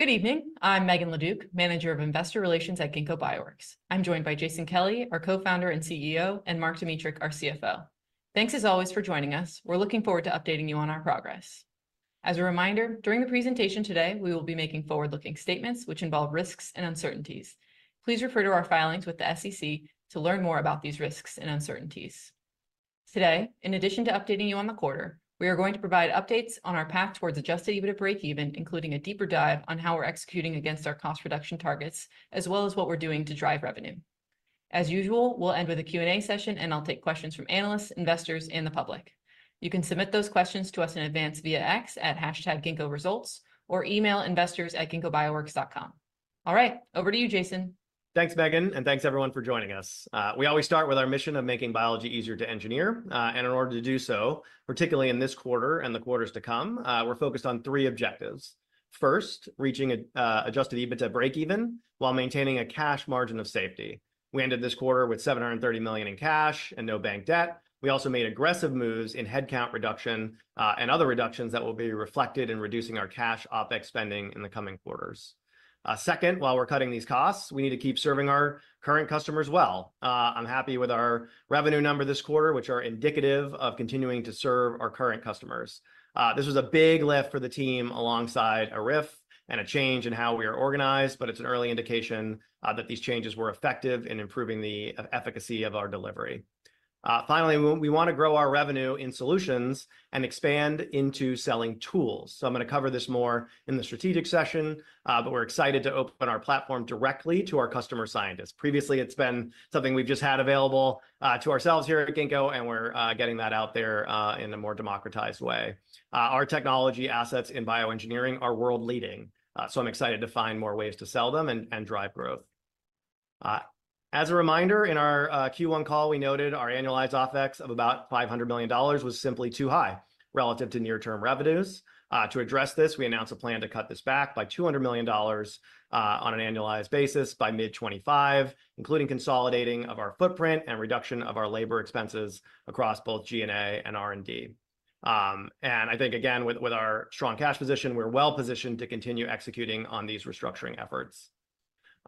Good evening. I'm Megan LeDuc, Manager of Investor Relations at Ginkgo Bioworks. I'm joined by Jason Kelly, our co-founder and CEO, and Mark Dmytruk, our CFO. Thanks, as always, for joining us. We're looking forward to updating you on our progress. As a reminder, during the presentation today, we will be making forward-looking statements which involve risks and uncertainties. Please refer to our filings with the SEC to learn more about these risks and uncertainties. Today, in addition to updating you on the quarter, we are going to provide updates on our path towards Adjusted EBITDA break-even, including a deeper dive on how we're executing against our cost reduction targets, as well as what we're doing to drive revenue. As usual, we'll end with a Q&A session, and I'll take questions from analysts, investors, and the public. You can submit those questions to us in advance via X at #ginkgoresults or email investors@ginkgobioworks.com. All right, over to you, Jason. Thanks, Megan, and thanks everyone for joining us. We always start with our mission of making biology easier to engineer, and in order to do so, particularly in this quarter and the quarters to come, we're focused on three objectives. First, reaching adjusted EBITDA breakeven, while maintaining a cash margin of safety. We ended this quarter with $730 million in cash and no bank debt. We also made aggressive moves in headcount reduction, and other reductions that will be reflected in reducing our cash OpEx spending in the coming quarters. Second, while we're cutting these costs, we need to keep serving our current customers well. I'm happy with our revenue number this quarter, which are indicative of continuing to serve our current customers. This was a big lift for the team alongside a RIF and a change in how we are organized, but it's an early indication that these changes were effective in improving the efficacy of our delivery. Finally, we want to grow our revenue in solutions and expand into selling tools. So I'm gonna cover this more in the strategic session, but we're excited to open our platform directly to our customer scientists. Previously, it's been something we've just had available to ourselves here at Ginkgo, and we're getting that out there in a more democratized way. Our technology assets in bioengineering are world-leading, so I'm excited to find more ways to sell them and drive growth. As a reminder, in our Q1 call, we noted our annualized OpEx of about $500 million was simply too high relative to near-term revenues. To address this, we announced a plan to cut this back by $200 million, on an annualized basis by mid-2025, including consolidating of our footprint and reduction of our labor expenses across both G&A and R&D. I think, again, with our strong cash position, we're well-positioned to continue executing on these restructuring efforts.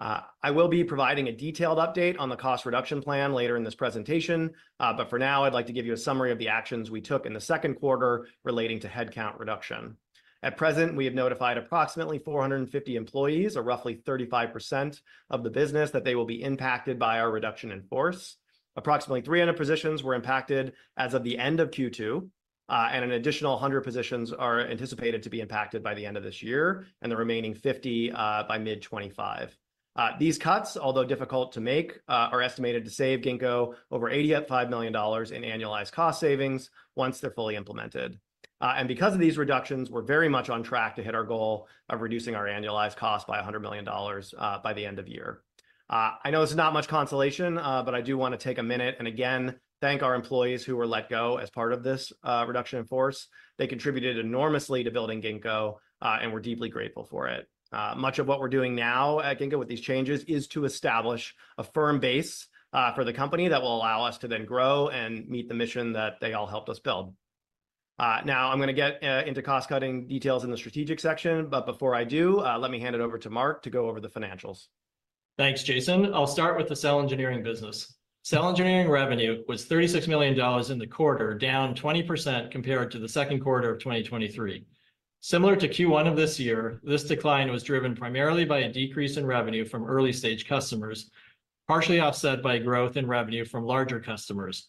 I will be providing a detailed update on the cost reduction plan later in this presentation, but for now, I'd like to give you a summary of the actions we took in the second quarter relating to headcount reduction. At present, we have notified approximately 450 employees, or roughly 35% of the business, that they will be impacted by our reduction in force. Approximately 300 positions were impacted as of the end of Q2, and an additional 100 positions are anticipated to be impacted by the end of this year, and the remaining 50, by mid-2025. These cuts, although difficult to make, are estimated to save Ginkgo over $85 million in annualized cost savings once they're fully implemented. And because of these reductions, we're very much on track to hit our goal of reducing our annualized cost by $100 million, by the end of year. I know this is not much consolation, but I do want to take a minute and again thank our employees who were let go as part of this reduction in force. They contributed enormously to building Ginkgo, and we're deeply grateful for it. Much of what we're doing now at Ginkgo with these changes is to establish a firm base for the company that will allow us to then grow and meet the mission that they all helped us build. Now I'm gonna get into cost-cutting details in the strategic section, but before I do, let me hand it over to Mark to go over the financials. Thanks, Jason. I'll start with the cell engineering business. Cell engineering revenue was $36 million in the quarter, down 20% compared to the second quarter of 2023. Similar to Q1 of this year, this decline was driven primarily by a decrease in revenue from early-stage customers, partially offset by growth in revenue from larger customers.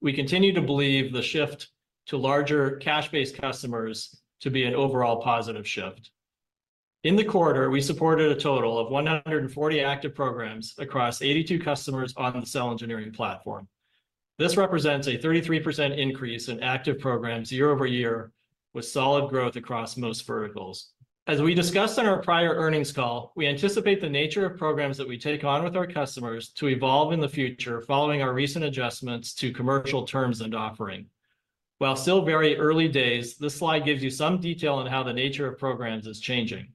We continue to believe the shift to larger cash-based customers to be an overall positive shift. In the quarter, we supported a total of 140 active programs across 82 customers on the cell engineering platform. This represents a 33% increase in active programs year-over-year, with solid growth across most verticals. As we discussed on our prior earnings call, we anticipate the nature of programs that we take on with our customers to evolve in the future following our recent adjustments to commercial terms and offering. While still very early days, this slide gives you some detail on how the nature of programs is changing.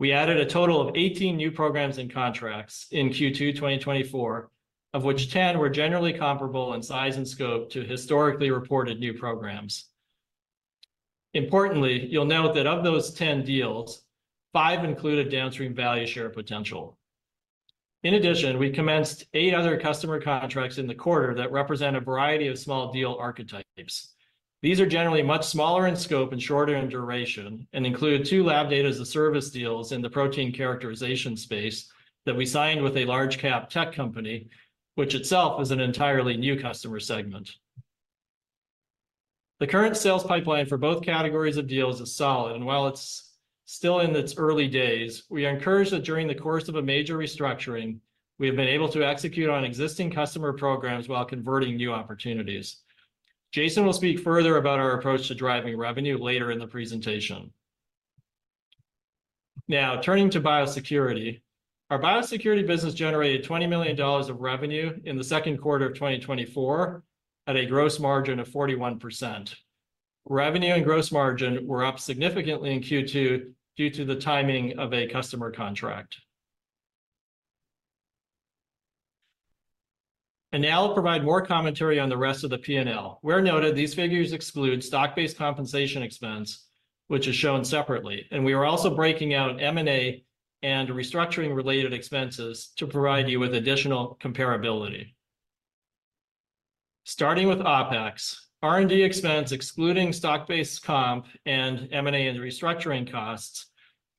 We added a total of 18 new programs and contracts in Q2 2024, of which 10 were generally comparable in size and scope to historically reported new programs. Importantly, you'll note that of those 10 deals, five included downstream value share potential. In addition, we commenced eight other customer contracts in the quarter that represent a variety of small deal archetypes. These are generally much smaller in scope and shorter in duration and include two Lab Data as a Service deals in the protein characterization space that we signed with a large-cap tech company, which itself is an entirely new customer segment. The current sales pipeline for both categories of deals is solid, and while it's still in its early days, we are encouraged that during the course of a major restructuring, we have been able to execute on existing customer programs while converting new opportunities. Jason will speak further about our approach to driving revenue later in the presentation. Now, turning to biosecurity. Our biosecurity business generated $20 million of revenue in the second quarter of 2024, at a gross margin of 41%. Revenue and gross margin were up significantly in Q2, due to the timing of a customer contract. And now I'll provide more commentary on the rest of the P&L. Where noted, these figures exclude stock-based compensation expense, which is shown separately, and we are also breaking out M&A and restructuring related expenses to provide you with additional comparability. Starting with OpEx, R&D expense, excluding stock-based comp and M&A and restructuring costs,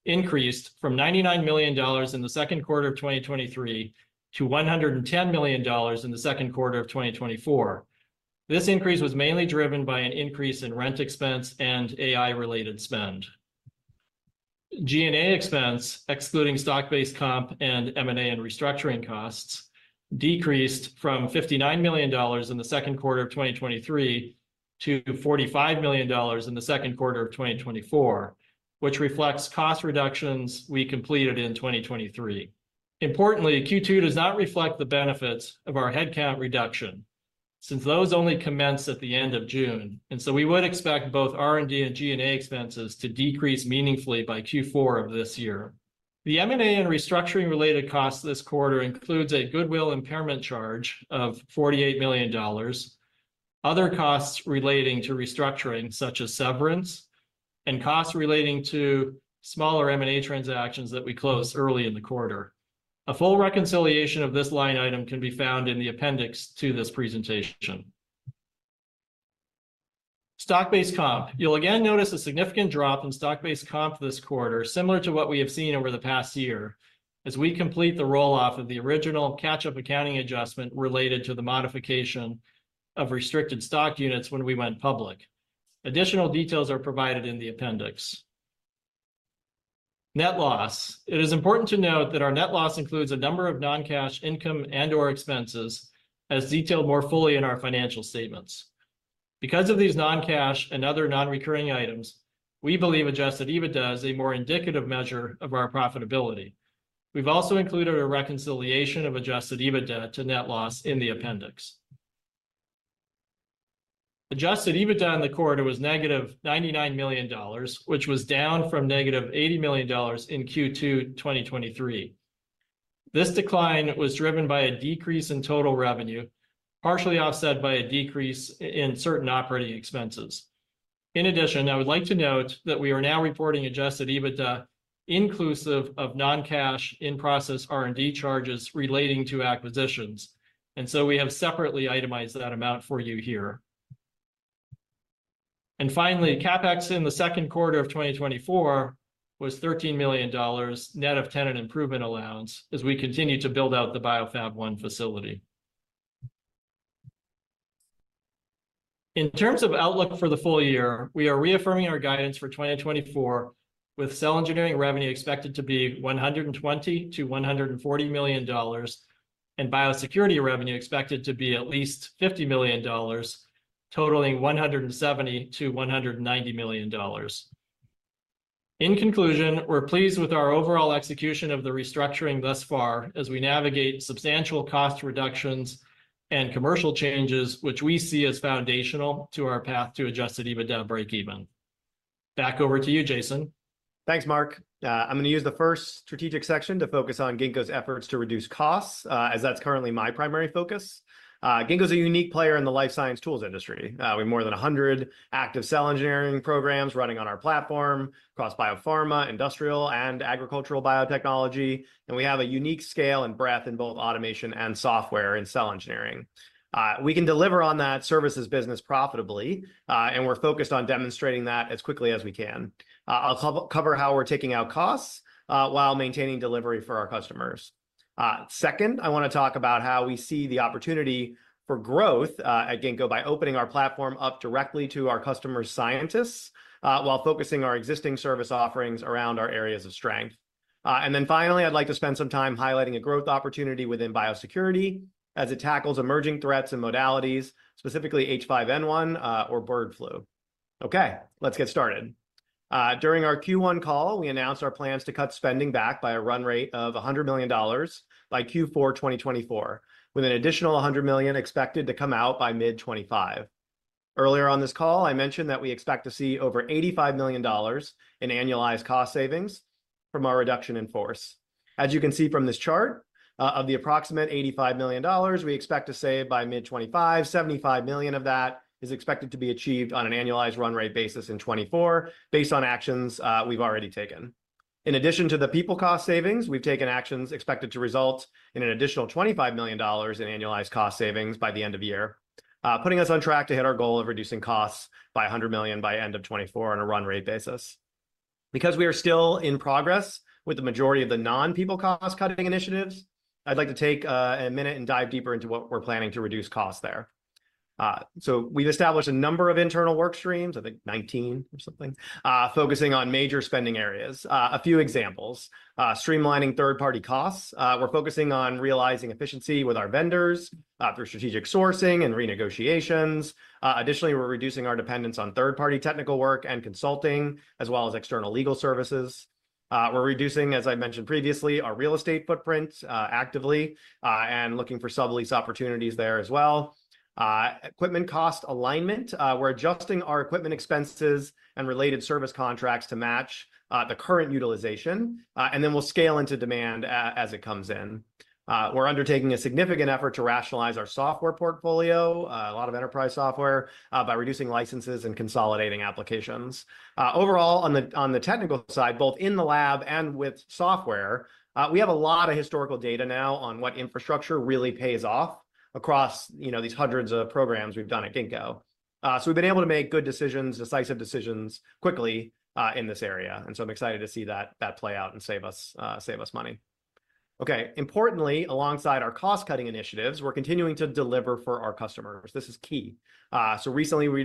increased from $99 million in the second quarter of 2023 to $110 million in the second quarter of 2024. This increase was mainly driven by an increase in rent expense and AI-related spend. G&A expense, excluding stock-based comp and M&A and restructuring costs, decreased from $59 million in the second quarter of 2023 to $45 million in the second quarter of 2024, which reflects cost reductions we completed in 2023. Importantly, Q2 does not reflect the benefits of our headcount reduction, since those only commenced at the end of June, and so we would expect both R&D and G&A expenses to decrease meaningfully by Q4 of this year. The M&A and restructuring-related costs this quarter includes a goodwill impairment charge of $48 million, other costs relating to restructuring, such as severance, and costs relating to smaller M&A transactions that we closed early in the quarter. A full reconciliation of this line item can be found in the appendix to this presentation. Stock-based comp. You'll again notice a significant drop in stock-based comp this quarter, similar to what we have seen over the past year, as we complete the roll-off of the original catch-up accounting adjustment related to the modification of restricted stock units when we went public. Additional details are provided in the appendix. Net loss. It is important to note that our net loss includes a number of non-cash income and/or expenses, as detailed more fully in our financial statements. Because of these non-cash and other non-recurring items, we believe adjusted EBITDA is a more indicative measure of our profitability. We've also included a reconciliation of adjusted EBITDA to net loss in the appendix. Adjusted EBITDA in the quarter was -$99 million, which was down from -$80 million in Q2 2023. This decline was driven by a decrease in total revenue, partially offset by a decrease in certain operating expenses. In addition, I would like to note that we are now reporting adjusted EBITDA, inclusive of non-cash, in-process R&D charges relating to acquisitions, and so we have separately itemized that amount for you here. And finally, CapEx in the second quarter of 2024 was $13 million, net of tenant improvement allowance, as we continue to build out the Biofab1 facility. In terms of outlook for the full year, we are reaffirming our guidance for 2024, with cell engineering revenue expected to be $120 million-$140 million, and biosecurity revenue expected to be at least $50 million, totaling $170 million-$190 million. In conclusion, we're pleased with our overall execution of the restructuring thus far as we navigate substantial cost reductions and commercial changes, which we see as foundational to our path to adjusted EBITDA break-even. Back over to you, Jason. Thanks, Mark. I'm going to use the first strategic section to focus on Ginkgo's efforts to reduce costs, as that's currently my primary focus. Ginkgo's a unique player in the life science tools industry. We have more than 100 active cell engineering programs running on our platform across biopharma, industrial, and agricultural biotechnology, and we have a unique scale and breadth in both automation and software in cell engineering. We can deliver on that services business profitably, and we're focused on demonstrating that as quickly as we can. I'll cover how we're taking out costs, while maintaining delivery for our customers. Second, I want to talk about how we see the opportunity for growth, at Ginkgo by opening our platform up directly to our customer scientists, while focusing our existing service offerings around our areas of strength. And then finally, I'd like to spend some time highlighting a growth opportunity within biosecurity as it tackles emerging threats and modalities, specifically H5N1, or bird flu. Okay, let's get started. During our Q1 call, we announced our plans to cut spending back by a run rate of $100 million by Q4 2024, with an additional $100 million expected to come out by mid-2025. Earlier on this call, I mentioned that we expect to see over $85 million in annualized cost savings from our reduction in force. As you can see from this chart, of the approximate $85 million we expect to save by mid-2025, $75 million of that is expected to be achieved on an annualized run rate basis in 2024, based on actions we've already taken. In addition to the people cost savings, we've taken actions expected to result in an additional $25 million in annualized cost savings by the end of the year, putting us on track to hit our goal of reducing costs by $100 million by end of 2024 on a run rate basis. Because we are still in progress with the majority of the non-people cost-cutting initiatives, I'd like to take a minute and dive deeper into what we're planning to reduce costs there. So we've established a number of internal work streams, I think 19 or something, focusing on major spending areas. A few examples, streamlining third-party costs. We're focusing on realizing efficiency with our vendors through strategic sourcing and renegotiations. Additionally, we're reducing our dependence on third-party technical work and consulting, as well as external legal services. We're reducing, as I mentioned previously, our real estate footprint actively and looking for sublease opportunities there as well. Equipment cost alignment, we're adjusting our equipment expenses and related service contracts to match the current utilization. And then we'll scale into demand as it comes in. We're undertaking a significant effort to rationalize our software portfolio, a lot of enterprise software, by reducing licenses and consolidating applications. Overall, on the technical side, both in the lab and with software, we have a lot of historical data now on what infrastructure really pays off across, you know, these hundreds of programs we've done at Ginkgo. So we've been able to make good decisions, decisive decisions quickly, in this area, and so I'm excited to see that play out and save us money. Okay, importantly, alongside our cost-cutting initiatives, we're continuing to deliver for our customers. This is key. So recently we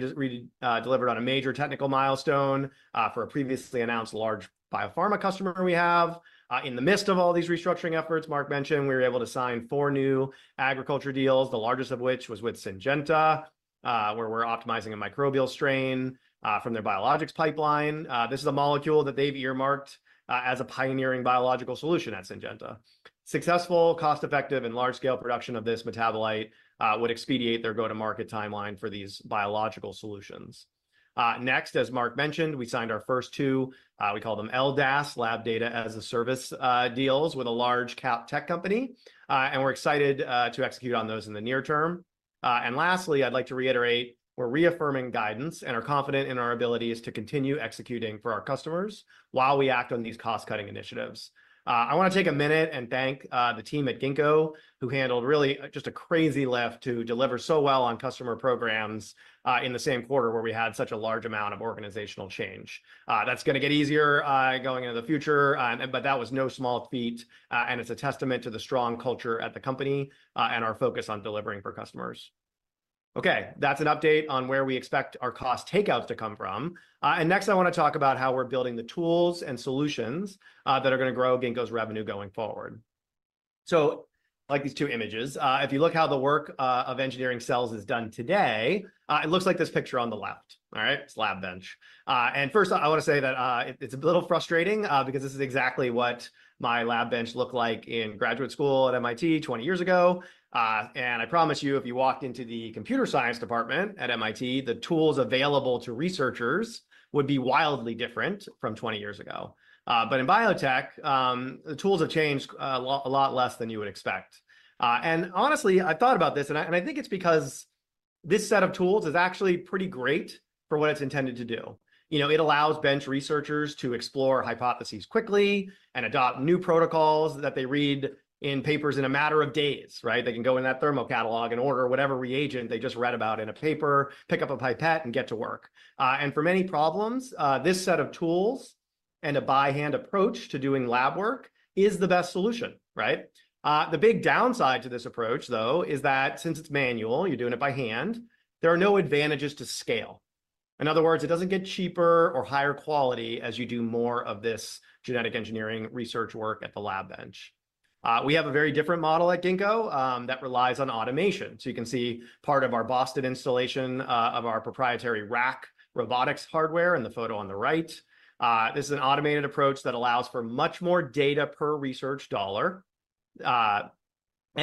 delivered on a major technical milestone for a previously announced large biopharma customer we have. In the midst of all these restructuring efforts Mark mentioned, we were able to sign four new agriculture deals, the largest of which was with Syngenta, where we're optimizing a microbial strain from their biologics pipeline. This is a molecule that they've earmarked as a pioneering biological solution at Syngenta. Successful, cost-effective, and large-scale production of this metabolite would expedite their go-to-market timeline for these biological solutions. Next, as Mark mentioned, we signed our first two, we call them LDAS, Lab Data as a Service, deals with a large cap tech company, and we're excited to execute on those in the near term. And lastly, I'd like to reiterate, we're reaffirming guidance and are confident in our abilities to continue executing for our customers while we act on these cost-cutting initiatives. I wanna take a minute and thank the team at Ginkgo, who handled really just a crazy lift to deliver so well on customer programs, in the same quarter where we had such a large amount of organizational change. That's gonna get easier, going into the future, and but that was no small feat, and it's a testament to the strong culture at the company, and our focus on delivering for customers. Okay, that's an update on where we expect our cost takeouts to come from. And next, I wanna talk about how we're building the tools and solutions that are gonna grow Ginkgo's revenue going forward. So like these 2 images, if you look how the work of engineering cells is done today, it looks like this picture on the left. All right? It's a lab bench. And first I wanna say that, it's a little frustrating, because this is exactly what my lab bench looked like in graduate school at MIT 20 years ago. And I promise you, if you walked into the computer science department at MIT, the tools available to researchers would be wildly different from 20 years ago. But in biotech, the tools have changed a lot less than you would expect. And honestly, I thought about this, and I think it's because this set of tools is actually pretty great for what it's intended to do. You know, it allows bench researchers to explore hypotheses quickly and adopt new protocols that they read in papers in a matter of days, right? They can go in that Thermo catalog and order whatever reagent they just read about in a paper, pick up a pipette, and get to work. And for many problems, this set of tools and a by-hand approach to doing lab work is the best solution, right? The big downside to this approach, though, is that since it's manual, you're doing it by hand, there are no advantages to scale. In other words, it doesn't get cheaper or higher quality as you do more of this genetic engineering research work at the lab bench. We have a very different model at Ginkgo, that relies on automation. So you can see part of our Boston installation, of our proprietary RAC robotics hardware in the photo on the right. This is an automated approach that allows for much more data per research dollar, and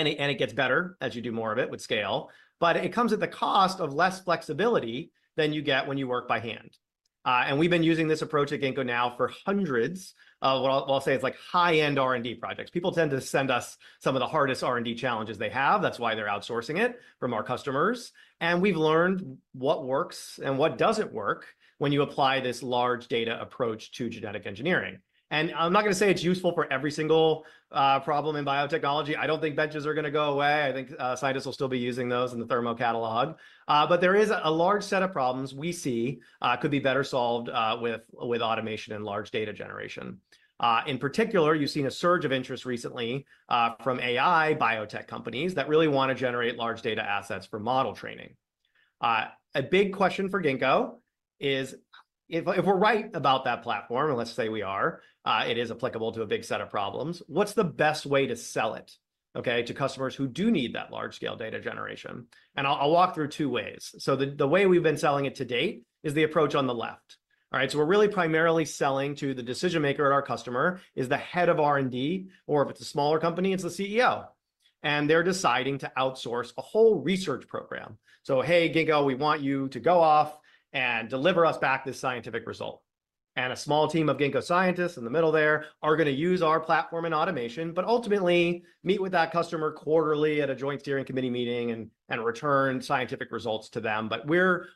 it, and it gets better as you do more of it with scale, but it comes at the cost of less flexibility than you get when you work by hand. And we've been using this approach at Ginkgo now for hundreds, well, I'll say it's like high-end R&D projects. People tend to send us some of the hardest R&D challenges they have, that's why they're outsourcing it, from our customers, and we've learned what works and what doesn't work when you apply this large data approach to genetic engineering. I'm not gonna say it's useful for every single problem in biotechnology. I don't think benches are gonna go away. I think scientists will still be using those in the Thermo catalog. But there is a large set of problems we see could be better solved with automation and large data generation. In particular, you've seen a surge of interest recently from AI biotech companies that really want to generate large data assets for model training. A big question for Ginkgo is, if we're right about that platform, and let's say we are, it is applicable to a big set of problems. What's the best way to sell it, okay, to customers who do need that large-scale data generation? And I'll walk through two ways. So the way we've been selling it to date is the approach on the left. All right? So we're really primarily selling to the decision-maker at our customer, is the head of R&D, or if it's a smaller company, it's the CEO, and they're deciding to outsource a whole research program. So, "Hey, Ginkgo, we want you to go off and deliver us back this scientific result." And a small team of Ginkgo scientists in the middle there are gonna use our platform and automation, but ultimately meet with that customer quarterly at a joint steering committee meeting and return scientific results to them. But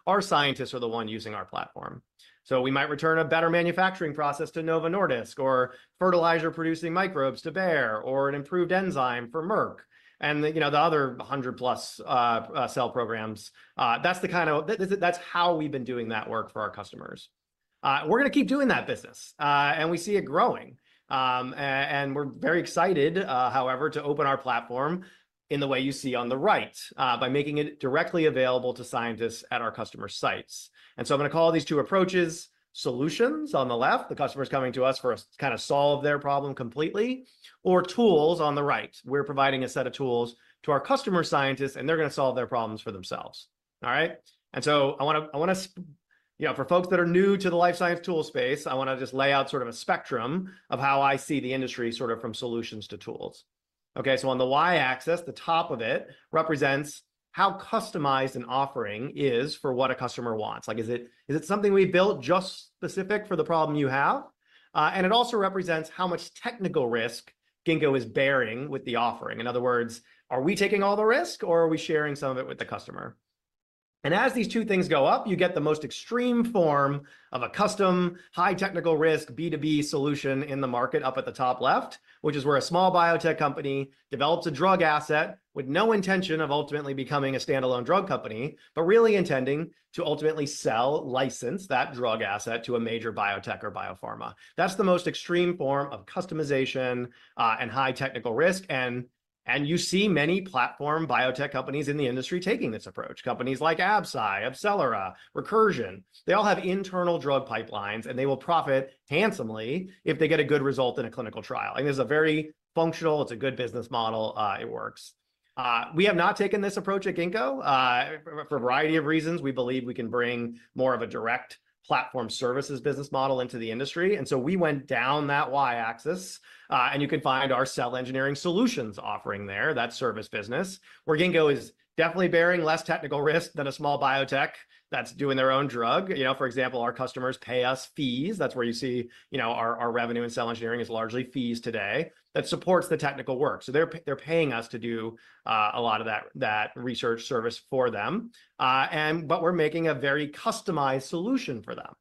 our scientists are the one using our platform. So we might return a better manufacturing process to Novo Nordisk, or fertilizer-producing microbes to Bayer, or an improved enzyme for Merck, and the, you know, the other 100+ cell programs. That's the kind of... That's how we've been doing that work for our customers. We're gonna keep doing that business, and we see it growing. And we're very excited, however, to open our platform in the way you see on the right, by making it directly available to scientists at our customer sites. And so I'm gonna call these two approaches solutions on the left, the customer's coming to us for us to kind of solve their problem completely, or tools on the right. We're providing a set of tools to our customer scientists, and they're gonna solve their problems for themselves. All right? And so I wanna, you know, for folks that are new to the life science tool space, I wanna just lay out sort of a spectrum of how I see the industry sort of from solutions to tools. Okay, so on the Y-axis, the top of it represents how customized an offering is for what a customer wants. Like, is it, is it something we built just specific for the problem you have? And it also represents how much technical risk Ginkgo is bearing with the offering. In other words, are we taking all the risk, or are we sharing some of it with the customer? And as these two things go up, you get the most extreme form of a custom, high-technical risk, B2B solution in the market up at the top left, which is where a small biotech company develops a drug asset with no intention of ultimately becoming a standalone drug company, but really intending to ultimately sell, license that drug asset to a major biotech or biopharma. That's the most extreme form of customization, and high technical risk, and you see many platform biotech companies in the industry taking this approach. Companies like Absci, AbCellera, Recursion. They all have internal drug pipelines, and they will profit handsomely if they get a good result in a clinical trial. Like, this is a very functional... It's a good business model. It works. We have not taken this approach at Ginkgo, for a variety of reasons. We believe we can bring more of a direct platform services business model into the industry, and so we went down that Y-axis. You can find our cell engineering solutions offering there, that service business, where Ginkgo is definitely bearing less technical risk than a small biotech that's doing their own drug. You know, for example, our customers pay us fees. That's where you see, you know, our revenue in cell engineering is largely fees today. That supports the technical work, so they're paying us to do a lot of that research service for them. But we're making a very customized solution for them,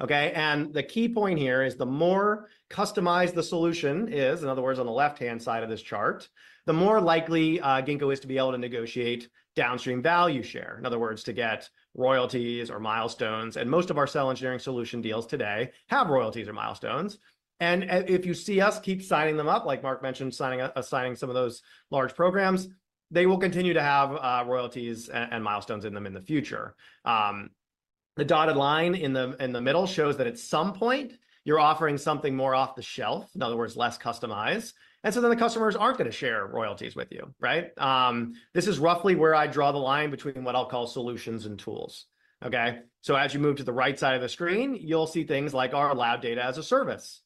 okay? And the key point here is the more customized the solution is, in other words, on the left-hand side of this chart, the more likely Ginkgo is to be able to negotiate downstream value share, in other words, to get royalties or milestones. And most of our cell engineering solution deals today have royalties or milestones, and if you see us keep signing them up, like Mark mentioned, signing some of those large programs, they will continue to have royalties and milestones in them in the future. The dotted line in the middle shows that at some point, you're offering something more off the shelf, in other words, less customized, and so then the customers aren't going to share royalties with you, right? This is roughly where I draw the line between what I'll call solutions and tools, okay? So as you move to the right side of the screen, you'll see things like our Lab Data as a Service,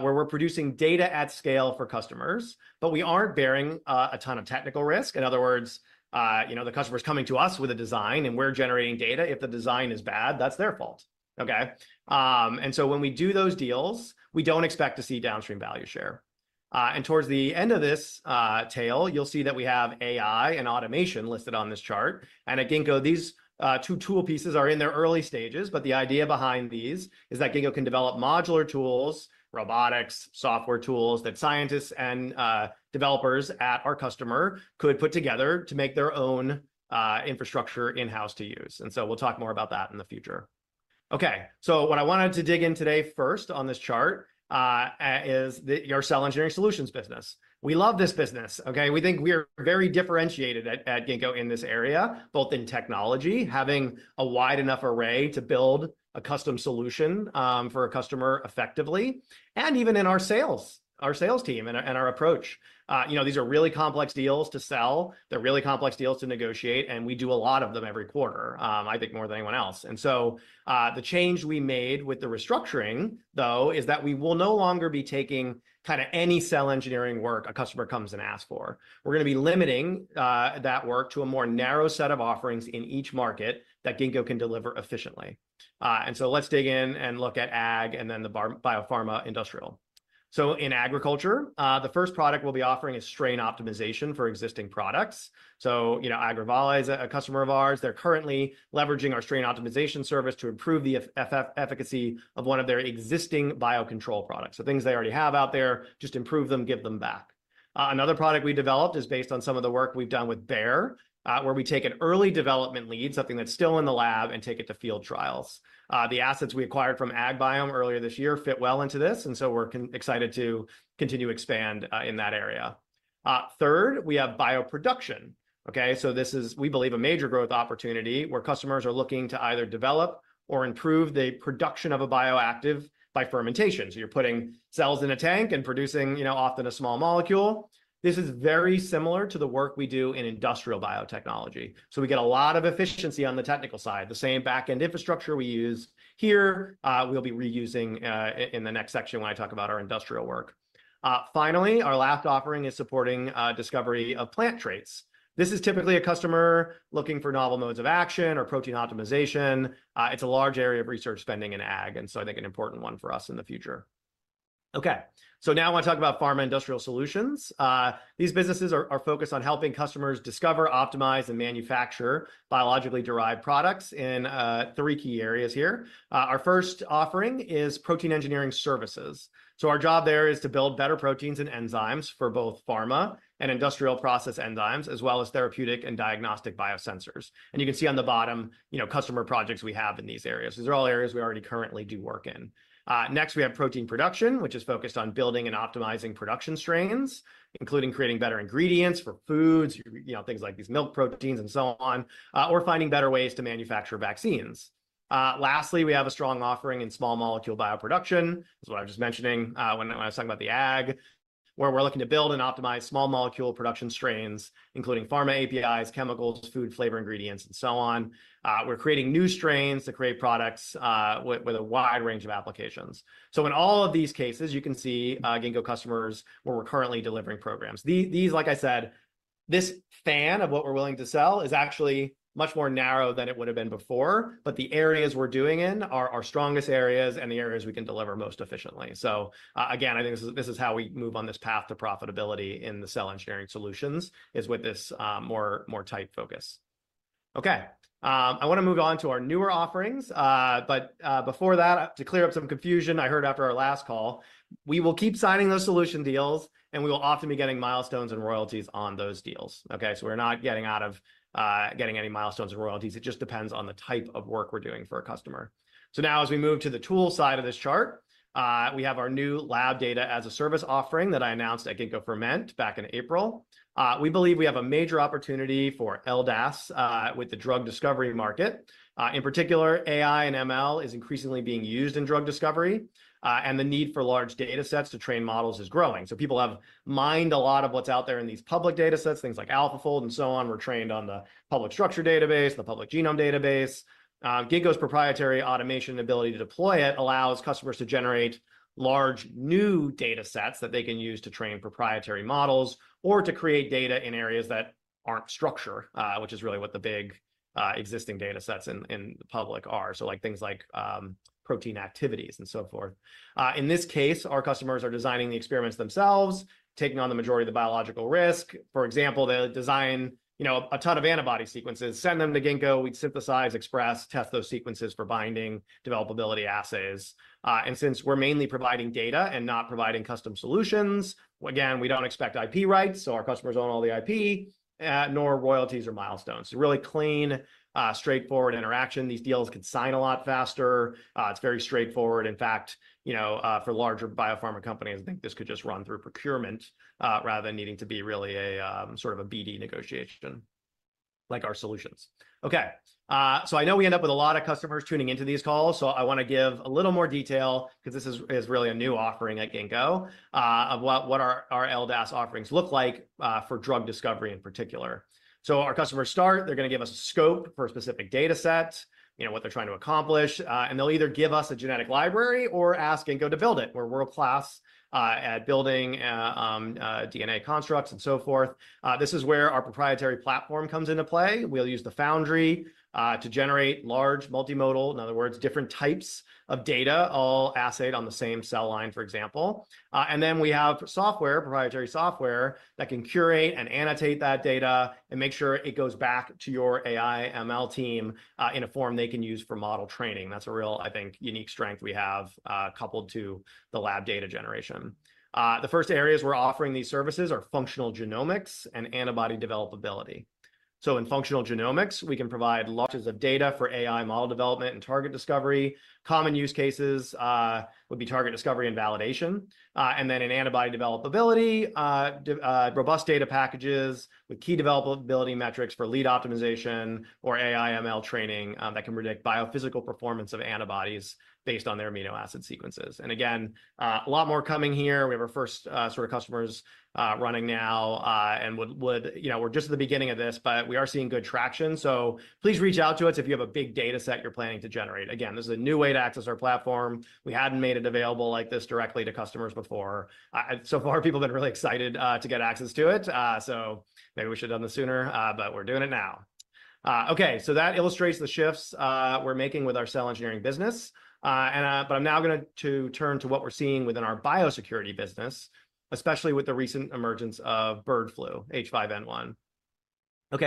where we're producing data at scale for customers, but we aren't bearing a ton of technical risk. In other words, you know, the customer's coming to us with a design, and we're generating data. If the design is bad, that's their fault, okay? And so when we do those deals, we don't expect to see downstream value share. And towards the end of this tail, you'll see that we have AI and automation listed on this chart, and at Ginkgo, these two tool pieces are in their early stages, but the idea behind these is that Ginkgo can develop modular tools, robotics, software tools, that scientists and developers at our customer could put together to make their own infrastructure in-house to use, and so we'll talk more about that in the future. Okay, so what I wanted to dig in today first on this chart is our cell engineering solutions business. We love this business, okay? We think we are very differentiated at Ginkgo in this area, both in technology, having a wide enough array to build a custom solution for a customer effectively, and even in our sales, our sales team, and our approach. You know, these are really complex deals to sell. They're really complex deals to negotiate, and we do a lot of them every quarter, I think more than anyone else. And so, the change we made with the restructuring, though, is that we will no longer be taking kind of any cell engineering work a customer comes and asks for. We're going to be limiting that work to a more narrow set of offerings in each market that Ginkgo can deliver efficiently. And so let's dig in and look at ag and then pharma, biopharma, industrial. So in agriculture, the first product we'll be offering is strain optimization for existing products. So, you know, Agrivalle is a customer of ours. They're currently leveraging our strain optimization service to improve the efficacy of one of their existing biocontrol products. So things they already have out there, just improve them, give them back. Another product we developed is based on some of the work we've done with Bayer, where we take an early development lead, something that's still in the lab, and take it to field trials. The assets we acquired from AgBiome earlier this year fit well into this, and so we're excited to continue to expand in that area. Third, we have bioproduction. Okay, so this is, we believe, a major growth opportunity, where customers are looking to either develop or improve the production of a bioactive by fermentation. So you're putting cells in a tank and producing, you know, often a small molecule. This is very similar to the work we do in industrial biotechnology, so we get a lot of efficiency on the technical side. The same back-end infrastructure we use here, we'll be reusing in the next section when I talk about our industrial work. Finally, our last offering is supporting discovery of plant traits. This is typically a customer looking for novel modes of action or protein optimization. It's a large area of research spending in ag, and so I think an important one for us in the future. Okay, so now I want to talk about pharma industrial solutions. These businesses are focused on helping customers discover, optimize, and manufacture biologically derived products in three key areas here. Our first offering is protein engineering services. So our job there is to build better proteins and enzymes for both pharma and industrial process enzymes, as well as therapeutic and diagnostic biosensors. You can see on the bottom, you know, customer projects we have in these areas. These are all areas we already currently do work in. Next, we have protein production, which is focused on building and optimizing production strains, including creating better ingredients for foods, you know, things like these milk proteins and so on, or finding better ways to manufacture vaccines. Lastly, we have a strong offering in small molecule bioproduction. That's what I was just mentioning, when I, when I was talking about where we're looking to build and optimize small molecule production strains, including pharma APIs, chemicals, food flavor ingredients, and so on. We're creating new strains to create products, with, with a wide range of applications. So in all of these cases, you can see, Ginkgo customers where we're currently delivering programs. These, like I said, this span of what we're willing to sell is actually much more narrow than it would've been before, but the areas we're doing in are our strongest areas and the areas we can deliver most efficiently. So, again, I think this is how we move on this path to profitability in the Cell Engineering solutions, with this more tight focus. Okay, I wanna move on to our newer offerings. But before that, to clear up some confusion I heard after our last call, we will keep signing those solution deals, and we will often be getting milestones and royalties on those deals, okay? So we're not getting out of getting any milestones and royalties. It just depends on the type of work we're doing for a customer. So now, as we move to the tool side of this chart, we have our new Lab Data as a Service offering that I announced at Ginkgo Ferment back in April. We believe we have a major opportunity for LDAS with the drug discovery market. In particular, AI and ML is increasingly being used in drug discovery, and the need for large data sets to train models is growing. So people have mined a lot of what's out there in these public data sets, things like AlphaFold and so on, were trained on the public structure database, the public genome database. Ginkgo's proprietary automation ability to deploy it allows customers to generate large, new data sets that they can use to train proprietary models, or to create data in areas that aren't structured, which is really what the big, existing data sets in the public are, so like, protein activities, and so forth. In this case, our customers are designing the experiments themselves, taking on the majority of the biological risk. For example, they'll design, you know, a ton of antibody sequences, send them to Ginkgo, we'd synthesize, express, test those sequences for binding, developability assays. And since we're mainly providing data and not providing custom solutions, again, we don't expect IP rights, so our customers own all the IP, nor royalties or milestones. So really clean, straightforward interaction. These deals can sign a lot faster. It's very straightforward. In fact, you know, for larger biopharma companies, I think this could just run through procurement, rather than needing to be really a sort of a BD negotiation, like our solutions. Okay, so I know we end up with a lot of customers tuning into these calls, so I wanna give a little more detail, 'cause this is really a new offering at Ginkgo, of what our LDAS offerings look like, for drug discovery in particular. So our customers start, they're gonna give us a scope for a specific data set, you know, what they're trying to accomplish, and they'll either give us a genetic library or ask Ginkgo to build it. We're world-class at building DNA constructs, and so forth. This is where our proprietary platform comes into play. We'll use the foundry to generate large, multimodal, in other words, different types of data, all assayed on the same cell line, for example. And then we have software, proprietary software, that can curate and annotate that data, and make sure it goes back to your AI/ML team in a form they can use for model training. That's a real, I think, unique strength we have, coupled to the lab data generation. The first areas we're offering these services are functional genomics and antibody developability. So in functional genomics, we can provide lots of data for AI model development and target discovery. Common use cases would be target discovery and validation. And then in antibody developability, robust data packages with key developability metrics for lead optimization or AI/ML training that can predict biophysical performance of antibodies based on their amino acid sequences. And again, a lot more coming here. We have our first sort of customers running now, and you know, we're just at the beginning of this, but we are seeing good traction. So please reach out to us if you have a big data set you're planning to generate. Again, this is a new way to access our platform. We hadn't made it available like this directly to customers before. So far, people have been really excited to get access to it, so maybe we should've done this sooner, but we're doing it now. Okay, so that illustrates the shifts we're making with our cell engineering business. But I'm now going to turn to what we're seeing within our biosecurity business, especially with the recent emergence of bird flu, H5N1.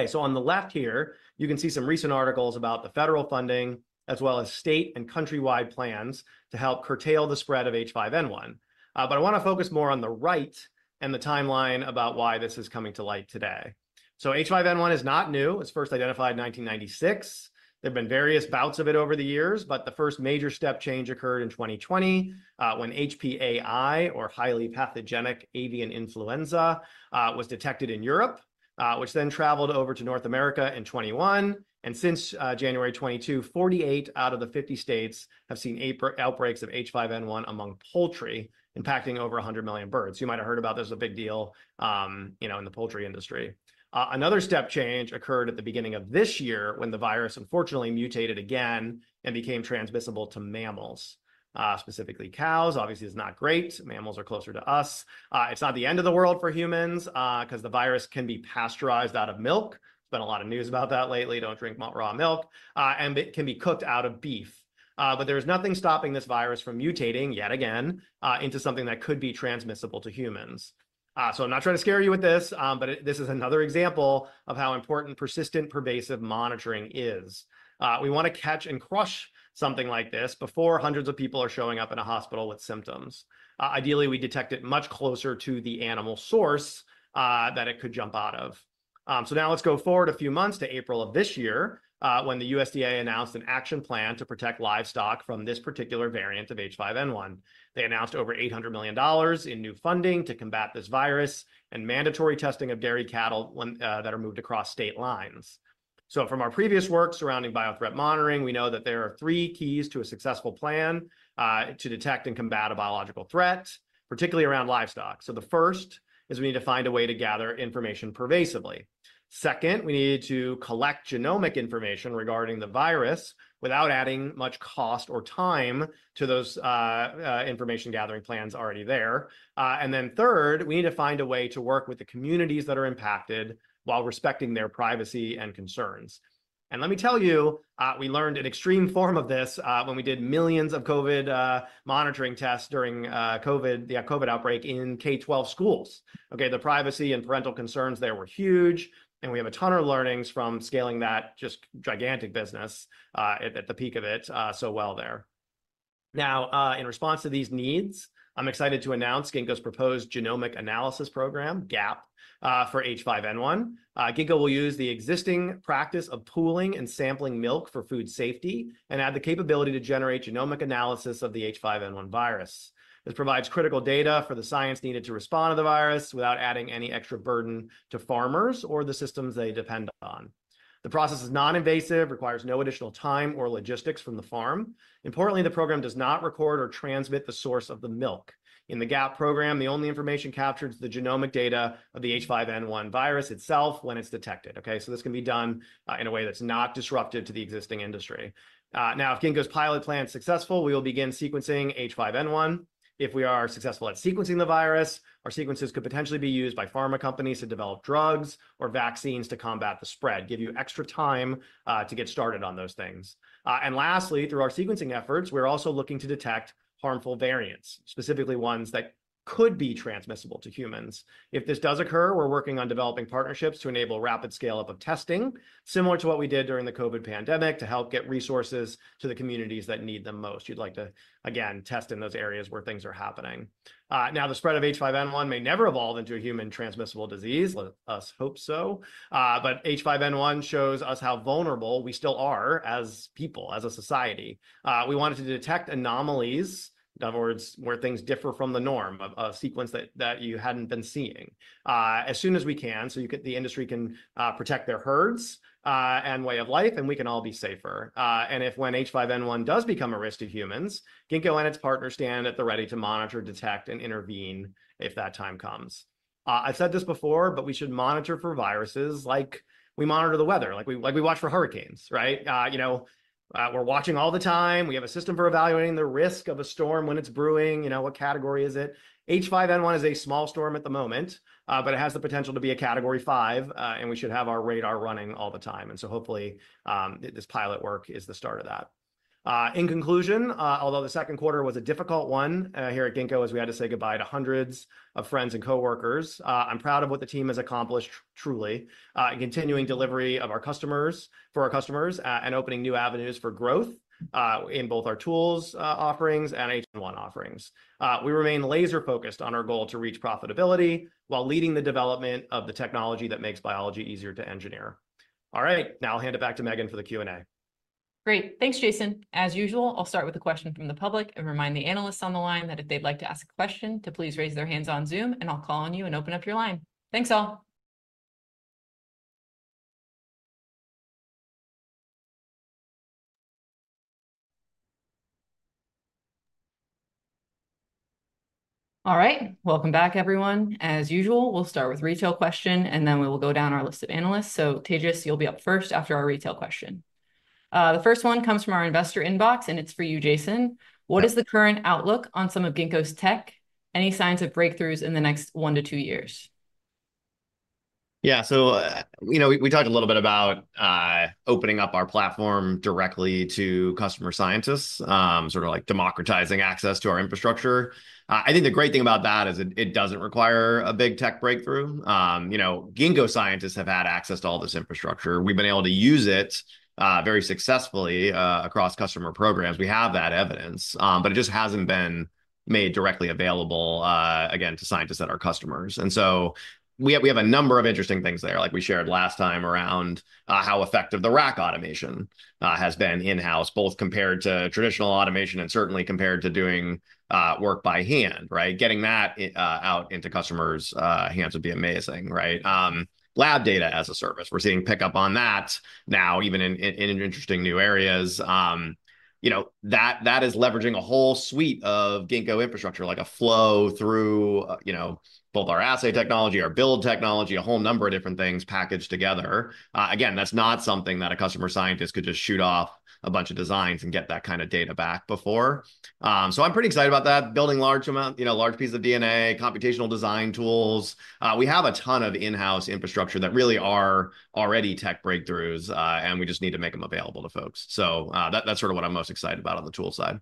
So on the left here, you can see some recent articles about the federal funding, as well as state and country-wide plans to help curtail the spread of H5N1. But I wanna focus more on the right and the timeline about why this is coming to light today. So H5N1 is not new; it was first identified in 1996. There've been various bouts of it over the years, but the first major step change occurred in 2020, when HPAI, or highly pathogenic avian influenza, was detected in Europe, which then traveled over to North America in 2021. Since January 2022, 48 out of the 50 states have seen HPAI outbreaks of H5N1 among poultry, impacting over 100 million birds. You might have heard about this, it was a big deal, you know, in the poultry industry. Another step change occurred at the beginning of this year, when the virus unfortunately mutated again and became transmissible to mammals, specifically cows. Obviously, it's not great. Mammals are closer to us. It's not the end of the world for humans, 'cause the virus can be pasteurized out of milk. There's been a lot of news about that lately. Don't drink raw milk. And it can be cooked out of beef. But there is nothing stopping this virus from mutating yet again, into something that could be transmissible to humans. So I'm not trying to scare you with this, but this is another example of how important persistent, pervasive monitoring is. We wanna catch and crush something like this before hundreds of people are showing up in a hospital with symptoms. Ideally, we detect it much closer to the animal source that it could jump out of. So now let's go forward a few months to April of this year, when the USDA announced an action plan to protect livestock from this particular variant of H5N1. They announced over $800 million in new funding to combat this virus, and mandatory testing of dairy cattle when that are moved across state lines. So from our previous work surrounding biothreat monitoring, we know that there are three keys to a successful plan to detect and combat a biological threat, particularly around livestock. So the first is we need to find a way to gather information pervasively. Second, we need to collect genomic information regarding the virus without adding much cost or time to those information-gathering plans already there. And then third, we need to find a way to work with the communities that are impacted while respecting their privacy and concerns. And let me tell you, we learned an extreme form of this when we did millions of COVID monitoring tests during COVID, the COVID outbreak in K-12 schools. Okay, the privacy and parental concerns there were huge, and we have a ton of learnings from scaling that just gigantic business at the peak of it so well there. Now, in response to these needs, I'm excited to announce Ginkgo's proposed Genomic Analysis Program, GAP, for H5N1. Ginkgo will use the existing practice of pooling and sampling milk for food safety and add the capability to generate genomic analysis of the H5N1 virus. This provides critical data for the science needed to respond to the virus without adding any extra burden to farmers or the systems they depend on. The process is non-invasive, requires no additional time or logistics from the farm. Importantly, the program does not record or transmit the source of the milk. In the GAP program, the only information captured is the genomic data of the H5N1 virus itself when it's detected, okay? So this can be done in a way that's not disruptive to the existing industry. Now, if Ginkgo's pilot plan is successful, we will begin sequencing H5N1. If we are successful at sequencing the virus, our sequences could potentially be used by pharma companies to develop drugs or vaccines to combat the spread, give you extra time, to get started on those things. And lastly, through our sequencing efforts, we're also looking to detect harmful variants, specifically ones that could be transmissible to humans. If this does occur, we're working on developing partnerships to enable rapid scale-up of testing, similar to what we did during the COVID pandemic, to help get resources to the communities that need them most. We'd like to, again, test in those areas where things are happening. Now, the spread of H5N1 may never evolve into a human-transmissible disease. Let us hope so. But H5N1 shows us how vulnerable we still are as people, as a society. We wanted to detect anomalies, in other words, where things differ from the norm, of a sequence that, that you hadn't been seeing, as soon as we can, so you could—the industry can, protect their herds, and way of life, and we can all be safer. And if when H5N1 does become a risk to humans, Ginkgo and its partners stand at the ready to monitor, detect, and intervene if that time comes. I've said this before, but we should monitor for viruses like we monitor the weather, like we, like we watch for hurricanes, right? You know, we're watching all the time. We have a system for evaluating the risk of a storm when it's brewing. You know, what category is it? H5N1 is a small storm at the moment, but it has the potential to be a Category 5, and we should have our radar running all the time, and so hopefully, this pilot work is the start of that. In conclusion, although the second quarter was a difficult one, here at Ginkgo, as we had to say goodbye to hundreds of friends and coworkers, I'm proud of what the team has accomplished, truly, in continuing delivery of our customers... for our customers, and opening new avenues for growth, in both our tools, offerings and H5N1 offerings. We remain laser-focused on our goal to reach profitability while leading the development of the technology that makes biology easier to engineer. All right, now I'll hand it back to Megan for the Q&A. Great. Thanks, Jason. As usual, I'll start with a question from the public and remind the analysts on the line that if they'd like to ask a question, to please raise their hands on Zoom, and I'll call on you and open up your line. Thanks, all. All right. Welcome back, everyone. As usual, we'll start with retail question, and then we will go down our list of analysts. So Tejas, you'll be up first after our retail question. The first one comes from our investor inbox, and it's for you, Jason. What is the current outlook on some of Ginkgo's tech? Any signs of breakthroughs in the next 1-2 years? Yeah, so, you know, we talked a little bit about opening up our platform directly to customer scientists, sort of like democratizing access to our infrastructure. I think the great thing about that is it doesn't require a big tech breakthrough. You know, Ginkgo scientists have had access to all this infrastructure. We've been able to use it very successfully across customer programs. We have that evidence, but it just hasn't been made directly available again to scientists that are customers. So we have a number of interesting things there, like we shared last time, around how effective the RAC Automation has been in-house, both compared to traditional automation and certainly compared to doing work by hand, right? Getting that out into customers' hands would be amazing, right? Lab Data as a Service, we're seeing pickup on that now, even in interesting new areas. You know, that is leveraging a whole suite of Ginkgo infrastructure, like a flow through, you know, both our assay technology, our build technology, a whole number of different things packaged together. Again, that's not something that a customer scientist could just shoot off a bunch of designs and get that kind of data back before. So I'm pretty excited about that, building large amount, you know, large pieces of DNA, computational design tools. We have a ton of in-house infrastructure that really are already tech breakthroughs, and we just need to make them available to folks. So, that is sort of what I'm most excited about on the tool side.